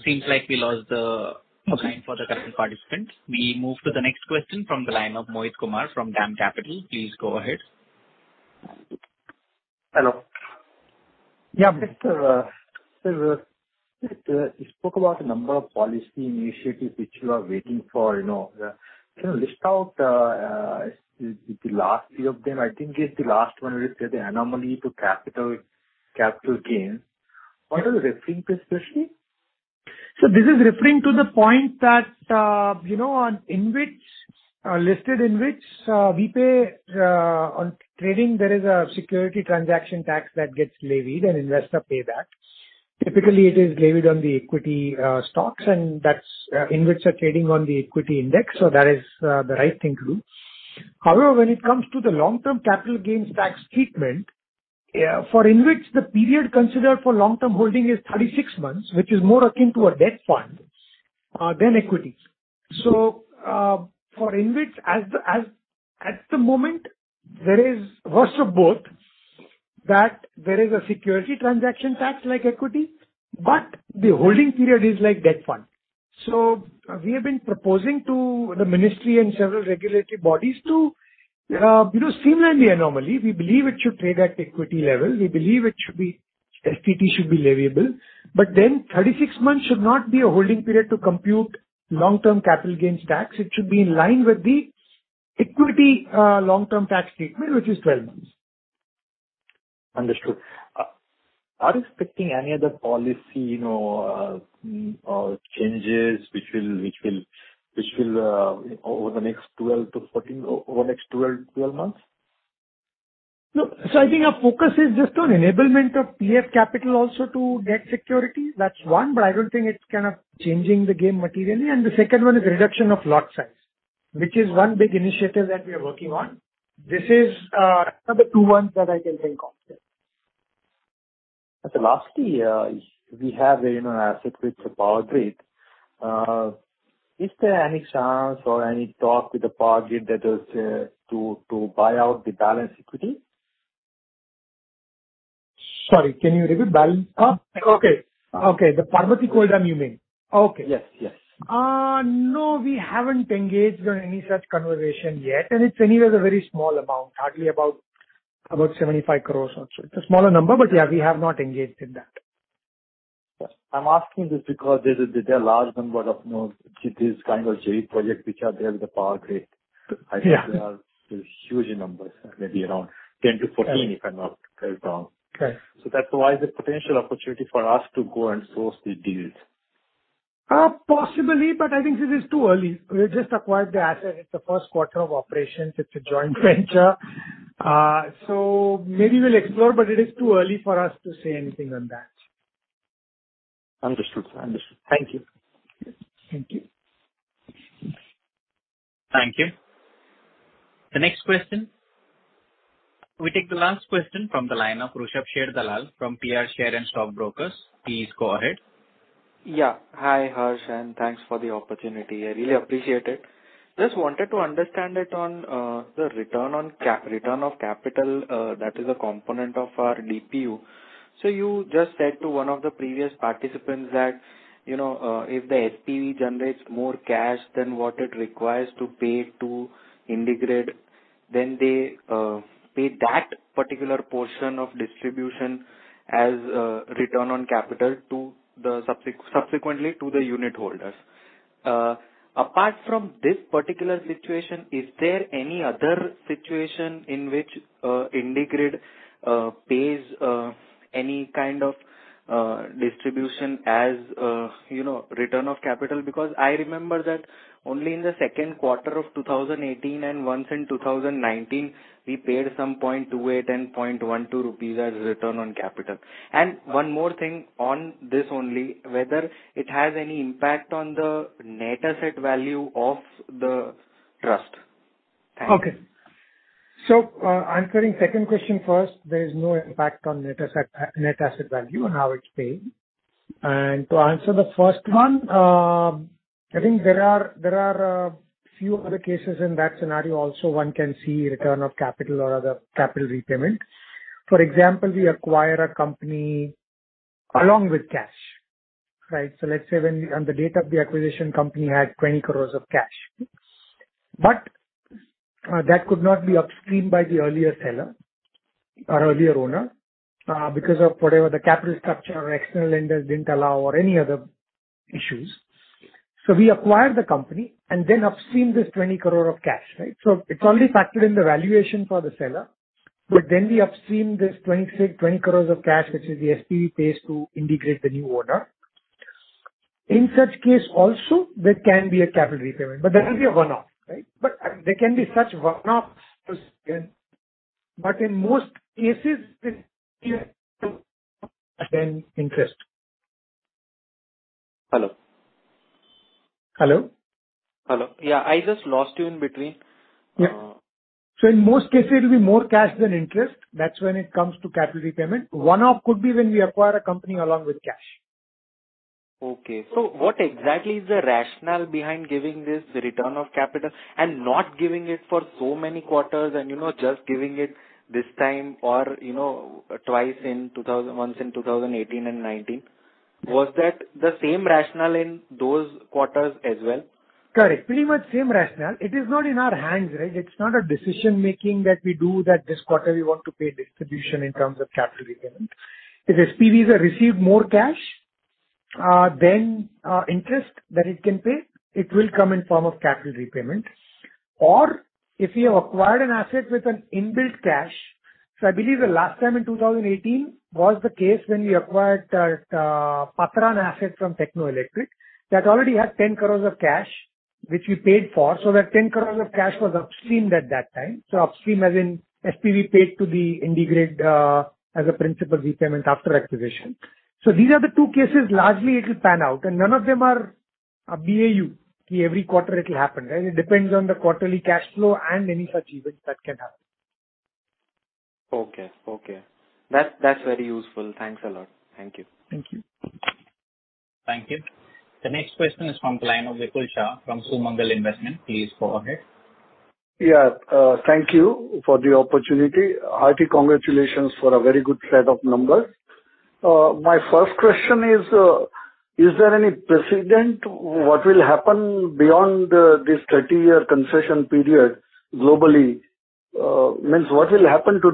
Seems like we lost the Okay. line for the current participant. We move to the next question from the line of Mohit Kumar from DAM Capital. Please go ahead. Hello. Yeah. Good, sir. You spoke about the number of policy initiatives which you are waiting for. Can you list out the last few of them? I think it's the last one where you said the anomaly to capital gains. What are you referring to, especially? This is referring to the point that on listed InvITs, we pay on trading, there is a security transaction tax that gets levied and investors pay that. Typically, it is levied on the equity stocks and as InvITs are trading on the equity index, that is the right thing to do. However, when it comes to the long-term capital gains tax treatment, for InvITs, the period considered for long-term holding is 36 months, which is more akin to a debt fund than equity. For InvITs, at the moment, there is worst of both, that there is a security transaction tax like equity, but the holding period is like debt fund. We have been proposing to the Ministry and several regulatory bodies to similar anomaly, we believe it should trade at equity level. We believe STT should be leviable, but then 36 months should not be a holding period to compute long-term capital gains tax. It should be in line with the equity long-term tax treatment, which is 12 months. Understood. Are you expecting any other policy or changes which will over the next 12 months? No. I think our focus is just on enablement of PF capital also to debt security. That's one. I don't think it's changing the game materially. The second one is reduction of lot size, which is one big initiative that we are working on. These are the two ones that I can think of there. The last year, we have asset, which is Power Grid. Is there any chance or any talk with the Power Grid that is to buy out the balance equity? Sorry, can you repeat? Oh, okay. The Parbati Koldam you mean. Okay. Yes. No, we haven't engaged on any such conversation yet, and it's anyway a very small amount, hardly about 75 crores or so. It's a smaller number, but yeah, we have not engaged in that. I'm asking this because there is a large number of this kind of JV project which are there with the Power Grid. Yeah. I think there are huge numbers, maybe around 10-14. Correct. very wrong. Correct. That's why the potential opportunity for us to go and source the deals. Possibly, but I think this is too early. We've just acquired the asset. It's the first quarter of operations. It's a joint venture. Maybe we'll explore, but it is too early for us to say anything on that. Understood. Thank you. Thank you. Thank you. The next question. We take the last question from the line of Rushabh Sharedalal from PR Share and Stock Brokers. Please go ahead. Hi, Harsh, thanks for the opportunity. I really appreciate it. Just wanted to understand it on the return of capital that is a component of our DPU. You just said to one of the previous participants that if the SPV generates more cash than what it requires to pay to IndiGrid, then they pay that particular portion of distribution as a return on capital subsequently to the unitholders. Apart from this particular situation, is there any other situation in which IndiGrid pays any kind of distribution as return of capital? I remember that only in the second quarter of 2018 and once in 2019, we paid some 0.28 and 0.12 rupees as return on capital. One more thing on this only, whether it has any impact on the net asset value of the trust. Thank you. Okay. Answering second question first, there is no impact on net asset value and how it's paid. To answer the first one, I think there are a few other cases in that scenario also, one can see return of capital or other capital repayment. For example, we acquire a company along with cash. Let's say on the date of the acquisition, company had 20 crores of cash. That could not be upstreamed by the earlier seller or earlier owner because of whatever the capital structure or external lenders didn't allow or any other issues. We acquired the company and then upstreamed this 20 crore of cash. It's already factored in the valuation for the seller, but then we upstreamed this 20 crores of cash, which the SPV pays to IndiGrid, the new owner. In such case also, there can be a capital repayment, but that will be a one-off. There can be such one-offs, but in most cases, it's cash than interest. Hello? Hello? Hello. Yeah, I just lost you in between. In most cases, it'll be more cash than interest. That's when it comes to capital repayment. One-off could be when we acquire a company along with cash. What exactly is the rationale behind giving this return of capital and not giving it for so many quarters and just giving it this time or twice, once in 2018 and 2019? Was that the same rationale in those quarters as well? Correct. Pretty much same rationale. It is not in our hands. It's not a decision-making that we do that this quarter we want to pay distribution in terms of capital repayment. If SPVs have received more cash, then interest that it can pay, it will come in form of capital repayment. Or if we acquired an asset with an inbuilt cash. I believe the last time in 2018 was the case when we acquired that Patran asset from Techno Electric that already had 10 crores of cash, which we paid for. That 10 crores of cash was upstreamed at that time. Upstream, as in SPV paid to the IndiGrid as a principal repayment after acquisition. These are the two cases largely it will pan out, and none of them are BAU, every quarter it will happen. It depends on the quarterly cash flow and any such events that can happen. Okay. That's very useful. Thanks a lot. Thank you. Thank you. Thank you. The next question is from the line of Vipul Shah from Sumangal Investment. Please go ahead. Yeah, thank you for the opportunity. Hearty congratulations for a very good set of numbers. My first question is there any precedent what will happen beyond this 30-year concession period globally? What will happen to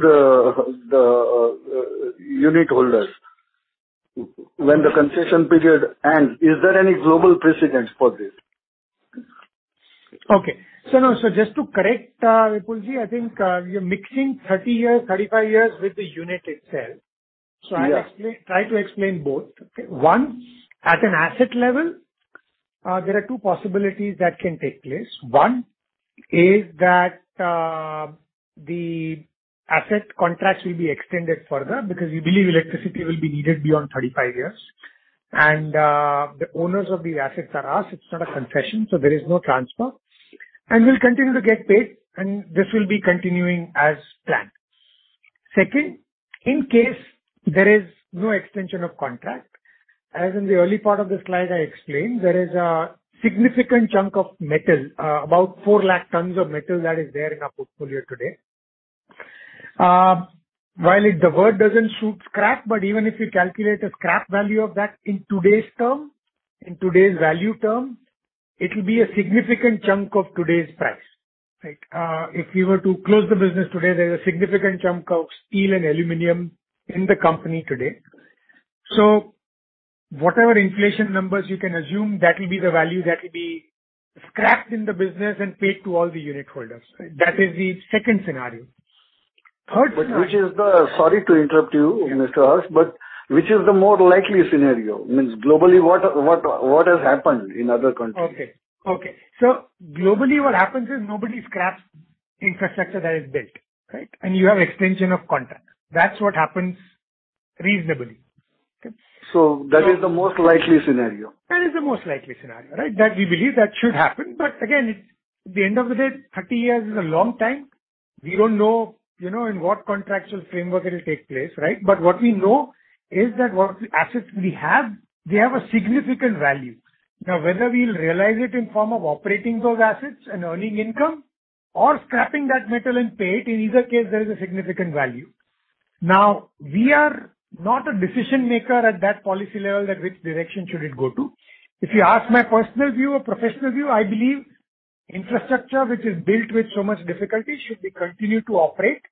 the unitholders when the concession period ends? Is there any global precedence for this? Okay. Just to correct, Vipulji, I think you're mixing 30 years, 35 years with the unit itself. I'll try to explain both. One, at an asset level, there are two possibilities that can take place. One is that the asset contract will be extended further because we believe electricity will be needed beyond 35 years, and the owners of the assets are us. It's not a concession, so there is no transfer. We'll continue to get paid, and this will be continuing as planned. Second, in case there is no extension of contract, as in the early part of the slide, I explained, there is a significant chunk of metal, about 4 lakh tons of metal that is there in our portfolio today. While the word doesn't suit scrap, even if you calculate a scrap value of that in today's term, in today's value term, it will be a significant chunk of today's price. If we were to close the business today, there's a significant chunk of steel and aluminum in the company today. Whatever inflation numbers you can assume, that will be the value that will be scrapped in the business and paid to all the unitholders. That is the second scenario. Sorry to interrupt you, Mr. Harsh Shah, but which is the more likely scenario? Means globally, what has happened in other countries? Okay. Globally what happens is nobody scraps infrastructure that is built. You have extension of contract. That's what happens reasonably. That is the most likely scenario? That is the most likely scenario. We believe that should happen. Again, at the end of the day, 30 years is a long time. We don't know in what contractual framework it'll take place. What we know is that what assets we have, they have a significant value. Whether we'll realize it in form of operating those assets and earning income or scrapping that metal and pay it, in either case, there is a significant value. We are not a decision-maker at that policy level at which direction should it go to. If you ask my personal view or professional view, I believe infrastructure which is built with so much difficulty should be continued to operate,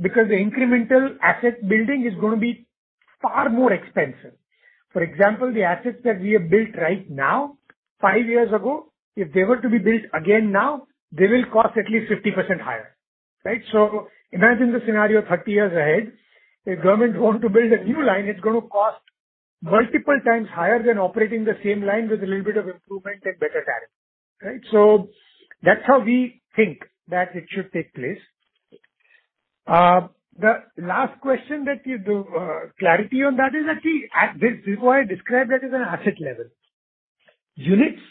because the incremental asset building is going to be far more expensive. For example, the assets that we have built right now, five years ago, if they were to be built again now, they will cost at least 50% higher. Imagine the scenario 30 years ahead. If government is going to build a new line, it's going to cost multiple times higher than operating the same line with a little bit of improvement at better tariff. That's how we think that it should take place. The last question that you-- The clarity on that is that we-- This is why I described that as an asset level. Units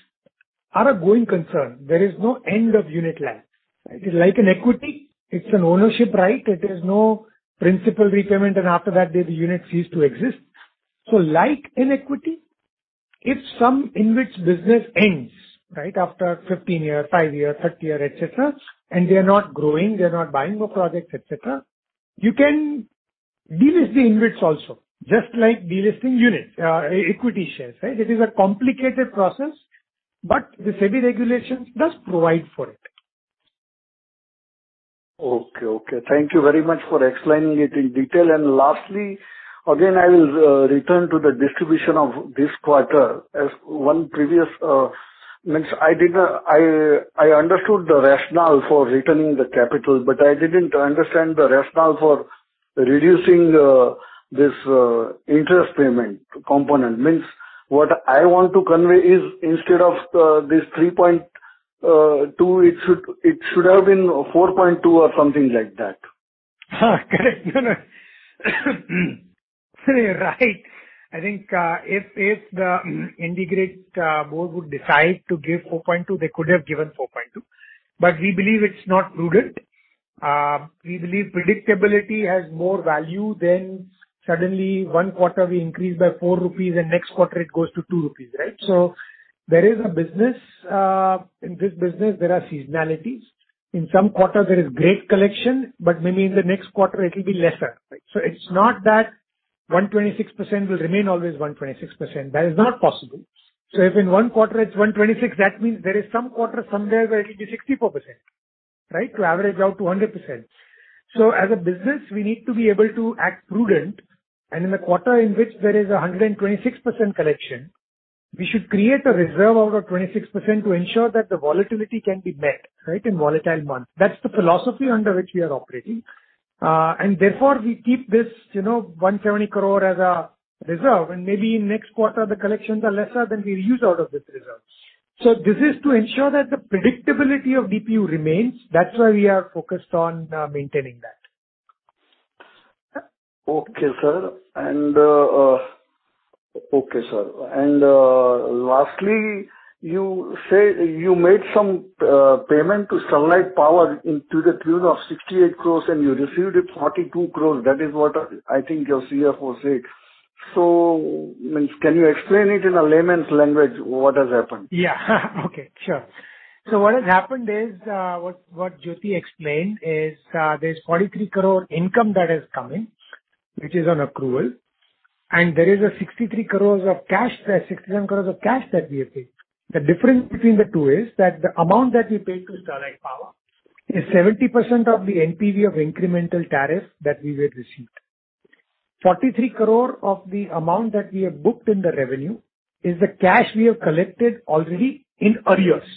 are a going concern. There is no end of unit life. It is like an equity. It's an ownership right. There is no principal requirement, and after that, the unit cease to exist. If some InvIT business ends after 15 years, five years, 30 years, et cetera, they're not growing, they're not buying more projects, et cetera, you can delist the InvITs also, just like delisting equity shares. It is a complicated process, the SEBI regulations does provide for it. Okay. Thank you very much for explaining it in detail. Lastly, again, I will return to the distribution of this quarter. I understood the rationale for returning the capital, but I didn't understand the rationale for reducing this interest payment component. What I want to convey is instead of this 3.2, it should have been 4.2 or something like that. Correct. Right. I think, if the IndiGrid board would decide to give 4.2, they could have given 4.2. We believe it's not prudent. We believe predictability has more value than suddenly one quarter we increase by 4 rupees and next quarter it goes to 2 rupees. In grid business, there are seasonalities. In some quarters, there is great collection, but maybe in the next quarter it will be lesser. It's not that 126% will remain always 126%. That is not possible. If in one quarter it's 126%, that means there is some quarter somewhere where it will be 64%. To average out to 100%. As a business, we need to be able to act prudent, and in the quarter in which there is 126% collection, we should create a reserve of 26% to ensure that the volatility can be met in volatile months. That's the philosophy under which we are operating. Therefore, we keep this 170 crore as a reserve, and maybe in next quarter, the collections are lesser, then we'll use out of this reserve. This is to ensure that the predictability of DPU remains. That's why we are focused on maintaining that. Okay, sir. Lastly, you said you made some payment to Sterlite Power to the tune of 68 crores and you received 42 crores. That is what I think your CFO said. Can you explain it in a layman's language what has happened? Okay, sure. What has happened is, what Jyoti explained is, there's 43 crore income that has come in, which is an accrual. There is 63 crores of cash that we have paid. The difference between the two is that the amount that we paid to Sterlite Power is 70% of the NPV of incremental tariff that we will receive. 43 crore of the amount that we have booked in the revenue is the cash we have collected already in arrears.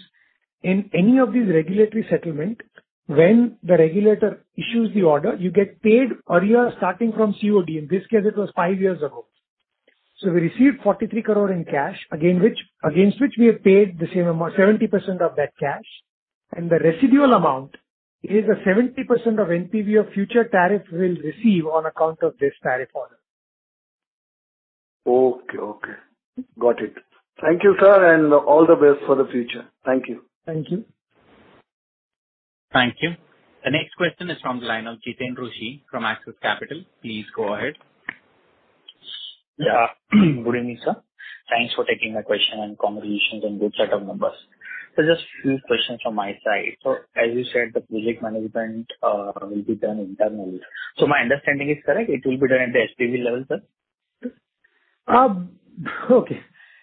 In any of these regulatory settlement, when the regulator issues the order, you get paid arrears starting from COD. In this case, it was five years ago. We received 43 crore in cash, against which we have paid the same amount, 70% of that cash. The residual amount is the 70% of NPV of future tariff we will receive on account of this tariff order. Okay. Got it. Thank you, sir. All the best for the future. Thank you. Thank you. Thank you. The next question is from line of Jiten Rushi from Axis Capital. Please go ahead. Good evening, sir. Thanks for taking my question and congratulations on the good set of numbers. Just few questions from my side. As you said, the project management will be done internal. My understanding is correct, it will be done at the SPV level, sir? Not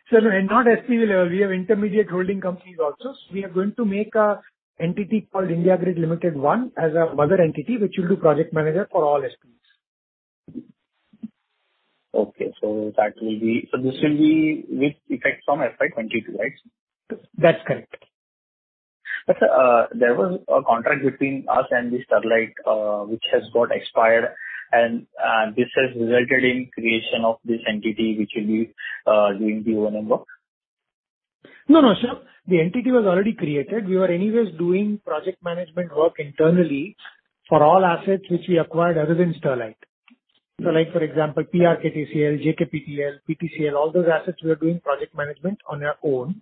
SPV level, we have intermediate holding companies also. We are going to make an entity called IndiGrid Limited One as our mother entity, which will do project management for all SPVs. Okay. this will be with effect from FY 2022, right? That's correct. Sir, there was a contract between us and the Sterlite Power, which has got expired, this has resulted in creation of this entity which will be doing the O&M work? No, sir. The entity was already created. We were anyway doing project management work internally for all assets which we acquired other than Sterlite Power. Like for example, PKTCL, JKTPL, PTCL, all those assets we are doing project management on our own.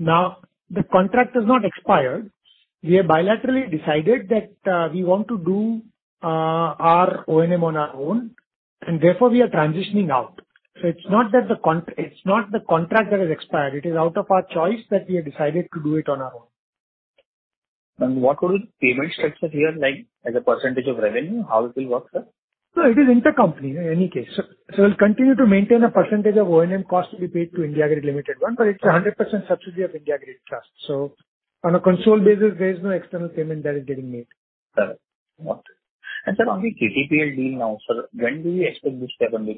The contract has not expired. We have bilaterally decided that we want to do our O&M on our own, therefore we are transitioning out. It is not the contract that has expired, it is out of our choice that we have decided to do it on our own. What will the payment structure here, like as a percentage of revenue? How it will work, sir? It is intercompany in any case. We'll continue to maintain a percentage of O&M cost to be paid to IndiGrid Limited One. It's 100% subsidiary of IndiGrid Trust. On a consolidated, there is no external payment that is getting made. Got it. Sir, on the KTL deal now, sir, when do you expect this to happen?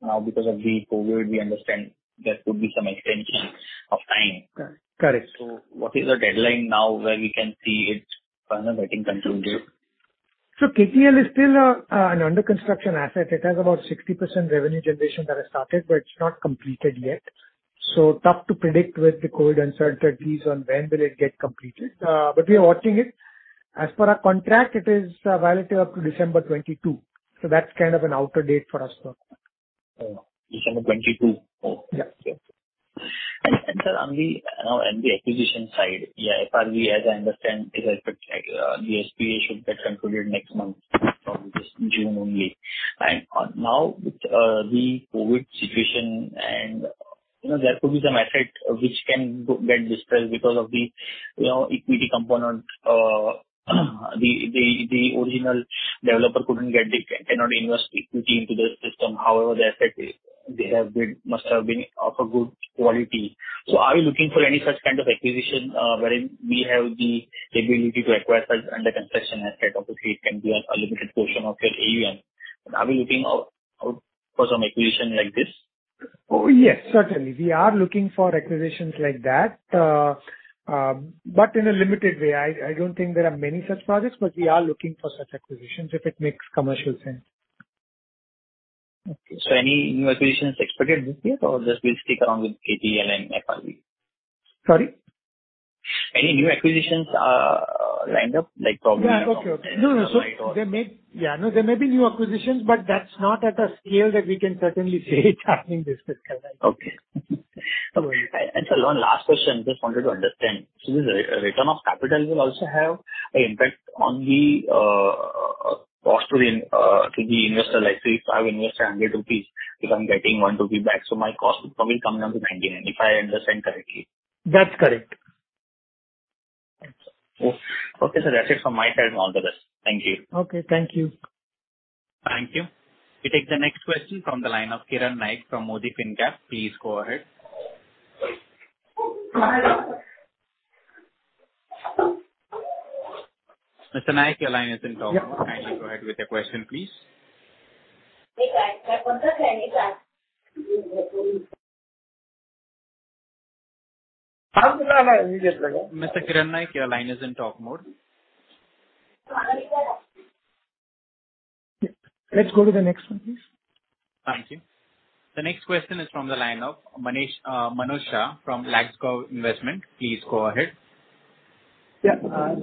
Now, because of the COVID, we understand there could be some extension of time. Correct. What is the deadline now where we can see it finally getting concluded? KTPL is still an under-construction asset. It has about 60% revenue generation that has started, but it's not completed yet. Tough to predict with the COVID uncertainties on when will it get completed. We are working it. As per our contract, it is valid till up to December 2022, so that's kind of an outer date for us now. December 2022? Yes. On the acquisition side, as far as I understand, the SPA should get concluded next month, in June only. With the COVID situation and there could be some effect which can get dispelled because of the equity component. The original developer cannot invest equity into the system. However, the effect must have been of a good quality. Are you looking for any such kind of acquisition wherein we have the ability to acquire under-construction asset obviously it can be a limited portion of that area. Are we looking out for some acquisition like this? Oh, yes, certainly. We are looking for acquisitions like that. In a limited way. I don't think there are many such projects, but we are looking for such acquisitions if it makes commercial sense. Okay. Any new acquisitions expected this year, or just we'll stick on with ATL and IPAL? Sorry? Any new acquisitions lined up like probably? Yeah, okay. There may be new acquisitions, but that's not at a scale that we can certainly say it happening this fiscal. Okay. One last question, just wanted to understand. The return of capital will also have an impact on the cost to the investor. If I invest 100 rupees, if I'm getting 1 rupee back, my cost will be coming down to 99, if I understand correctly. That's correct. Okay. That's it from my side. All the best. Thank you. Okay. Thank you. Thank you. We take the next question from the line of Kiran Naik from Modi Fincap. Please go ahead. Mr. Naik, your line is in talk mode. Go ahead with your question, please. Mr. Kiran Naik, your line is in talk mode. Let's go to the next one, please. Thank you. The next question is from the line of Manusha from Laxco Investment. Please go ahead. Yeah.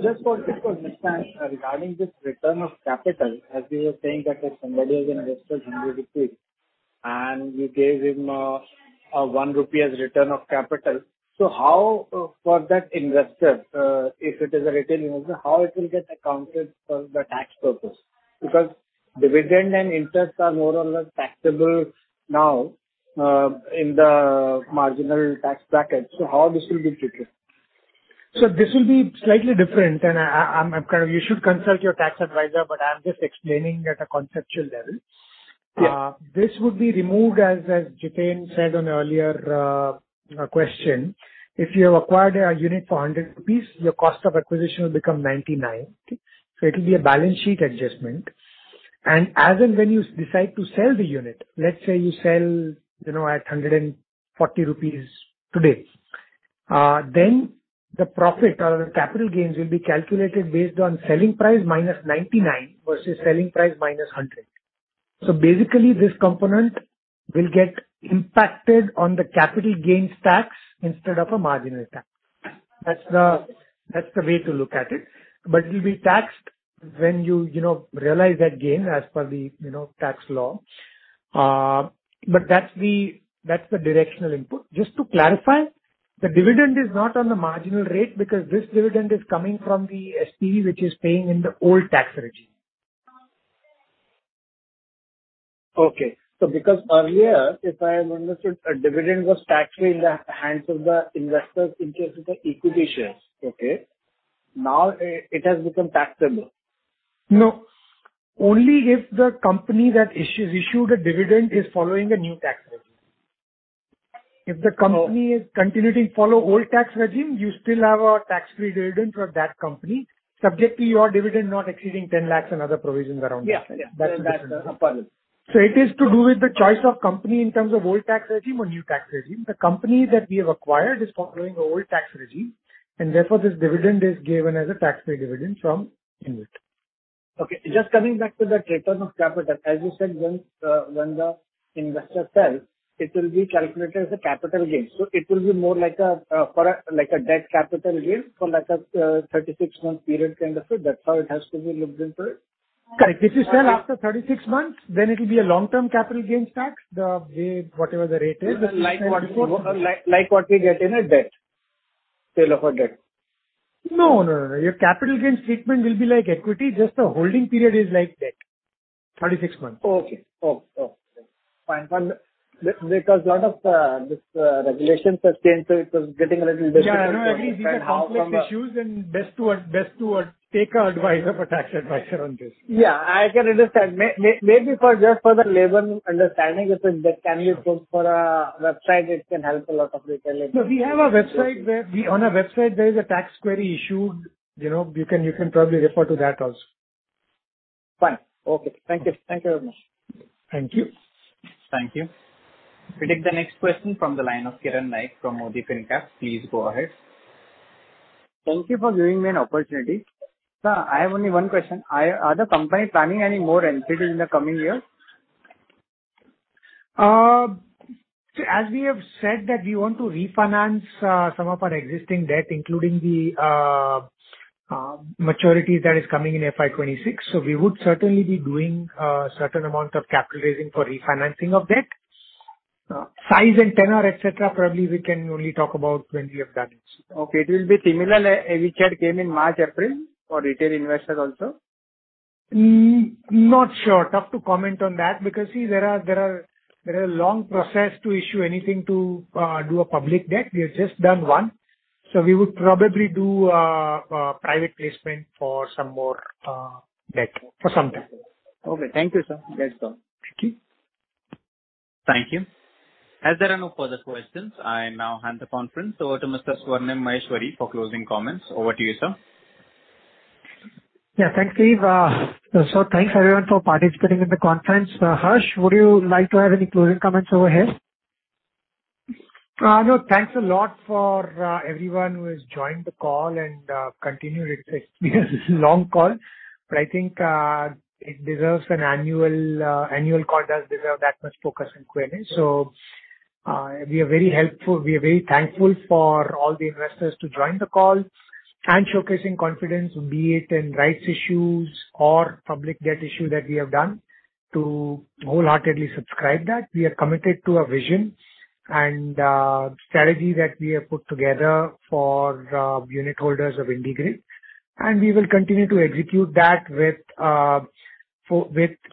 Just wanted to understand regarding this return of capital, as we were saying that if somebody has invested 100 rupees and you gave him a 1 rupee return of capital. For that investor, if it is a retail investor, how it will get accounted for the tax purpose? Because dividend and interest are more or less taxable now in the marginal tax bracket. How this will be treated? This will be slightly different and you should consult your tax advisor, but I'm just explaining at a conceptual level. Yeah. This would be removed, as Jiten said on earlier question. If you have acquired a unit for 100 rupees, your cost of acquisition will become 99. It will be a balance sheet adjustment. As and when you decide to sell the unit, let's say you sell at 140 rupees today, then the profit or the capital gains will be calculated based on selling price minus 99 versus selling price minus 100. Basically, this component will get impacted on the capital gains tax instead of a marginal tax. That's the way to look at it. It will be taxed when you realize that gain as per the tax law. That's the directional input. Just to clarify, the dividend is not on the marginal rate because this dividend is coming from the SPV, which is paying in the old tax regime. Okay. Because earlier, if I understood, dividend was tax-free in the hands of the investors in case of the acquisitions. Okay. Now it has become taxable. No. Only if the company that issued a dividend is following a new tax regime. If the company is continuing to follow old tax regime, you still have a tax-free dividend from that company, subject to your dividend not exceeding 10 lakhs and other provisions around that. Yeah. That's the part. It is to do with the choice of company in terms of old tax regime or new tax regime. The company that we have acquired is following the old tax regime, and therefore this dividend is given as a tax-free dividend from IndiGrid. Okay. Just coming back to the return of capital. As you said, when the investor sells, it will be calculated as a capital gain. It will be more like a debt capital gain for a 36 month period kind of thing. That's how it has to be looked into it? If you sell after 36 months, then it will be a long-term capital gains tax, whatever the rate is. Like what we get in a debt. Sale of a debt. No, no. Your capital gains treatment will be like equity, just the holding period is like debt. 36 months. Okay. Fine. Lot of this regulations have changed, so it was getting a little bit. Yeah. These are complex issues and best to take advice of a tax advisor on this. Yeah, I can understand. Maybe just for the layman understanding this, can you quote for a website which can help a lot of retailers? No, we have a website. On our website, there is a tax query issued. You can probably refer to that also. Fine. Okay. Thank you. Thank you. Thank you. We take the next question from the line of Kiran Naik from Modi Fincap. Please go ahead. Thank you for giving me an opportunity. Sir, I have only one question. Are the company planning any more NCD in the coming year? As we have said that we want to refinance some of our existing debt, including the maturity that is coming in FY 2026. We would certainly be doing a certain amount of capital raising for refinancing of debt. Size and tenor, et cetera, probably we can only talk about when we have done it. Okay. It will be similar as we had in March, April, for retail investors also? Not sure. Tough to comment on that because there are long process to issue anything to do a public debt. We have just done one. We would probably do a private placement for some more debt for some time. Okay. Thank you, sir. Best luck. Thank you. Thank you. As there are no further questions, I now hand the conference over to Mr. Swarnim Maheshwari for closing comments. Over to you, sir. Yeah, thank you. Thanks everyone for participating in the conference. Harsh, would you like to add any closing comments over here? Thanks a lot for everyone who has joined the call and continued. It's a long call, but I think it deserves an annual call as there was that much focus and query. We are very thankful for all the investors to join the call and showcasing confidence, be it in rights issues or public debt issue that we have done, to wholeheartedly subscribe that. We are committed to our vision and strategy that we have put together for unitholders of IndiGrid, and we will continue to execute that with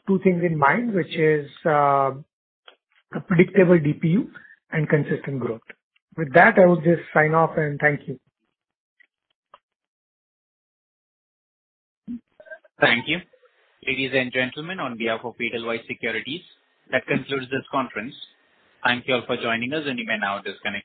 two things in mind, which is a predictable DPU and consistent growth. With that, I would just sign off and thank you. Thank you. Ladies and gentlemen, on behalf of Edelweiss Securities, that concludes this conference. Thank you all for joining us, and you may now disconnect your-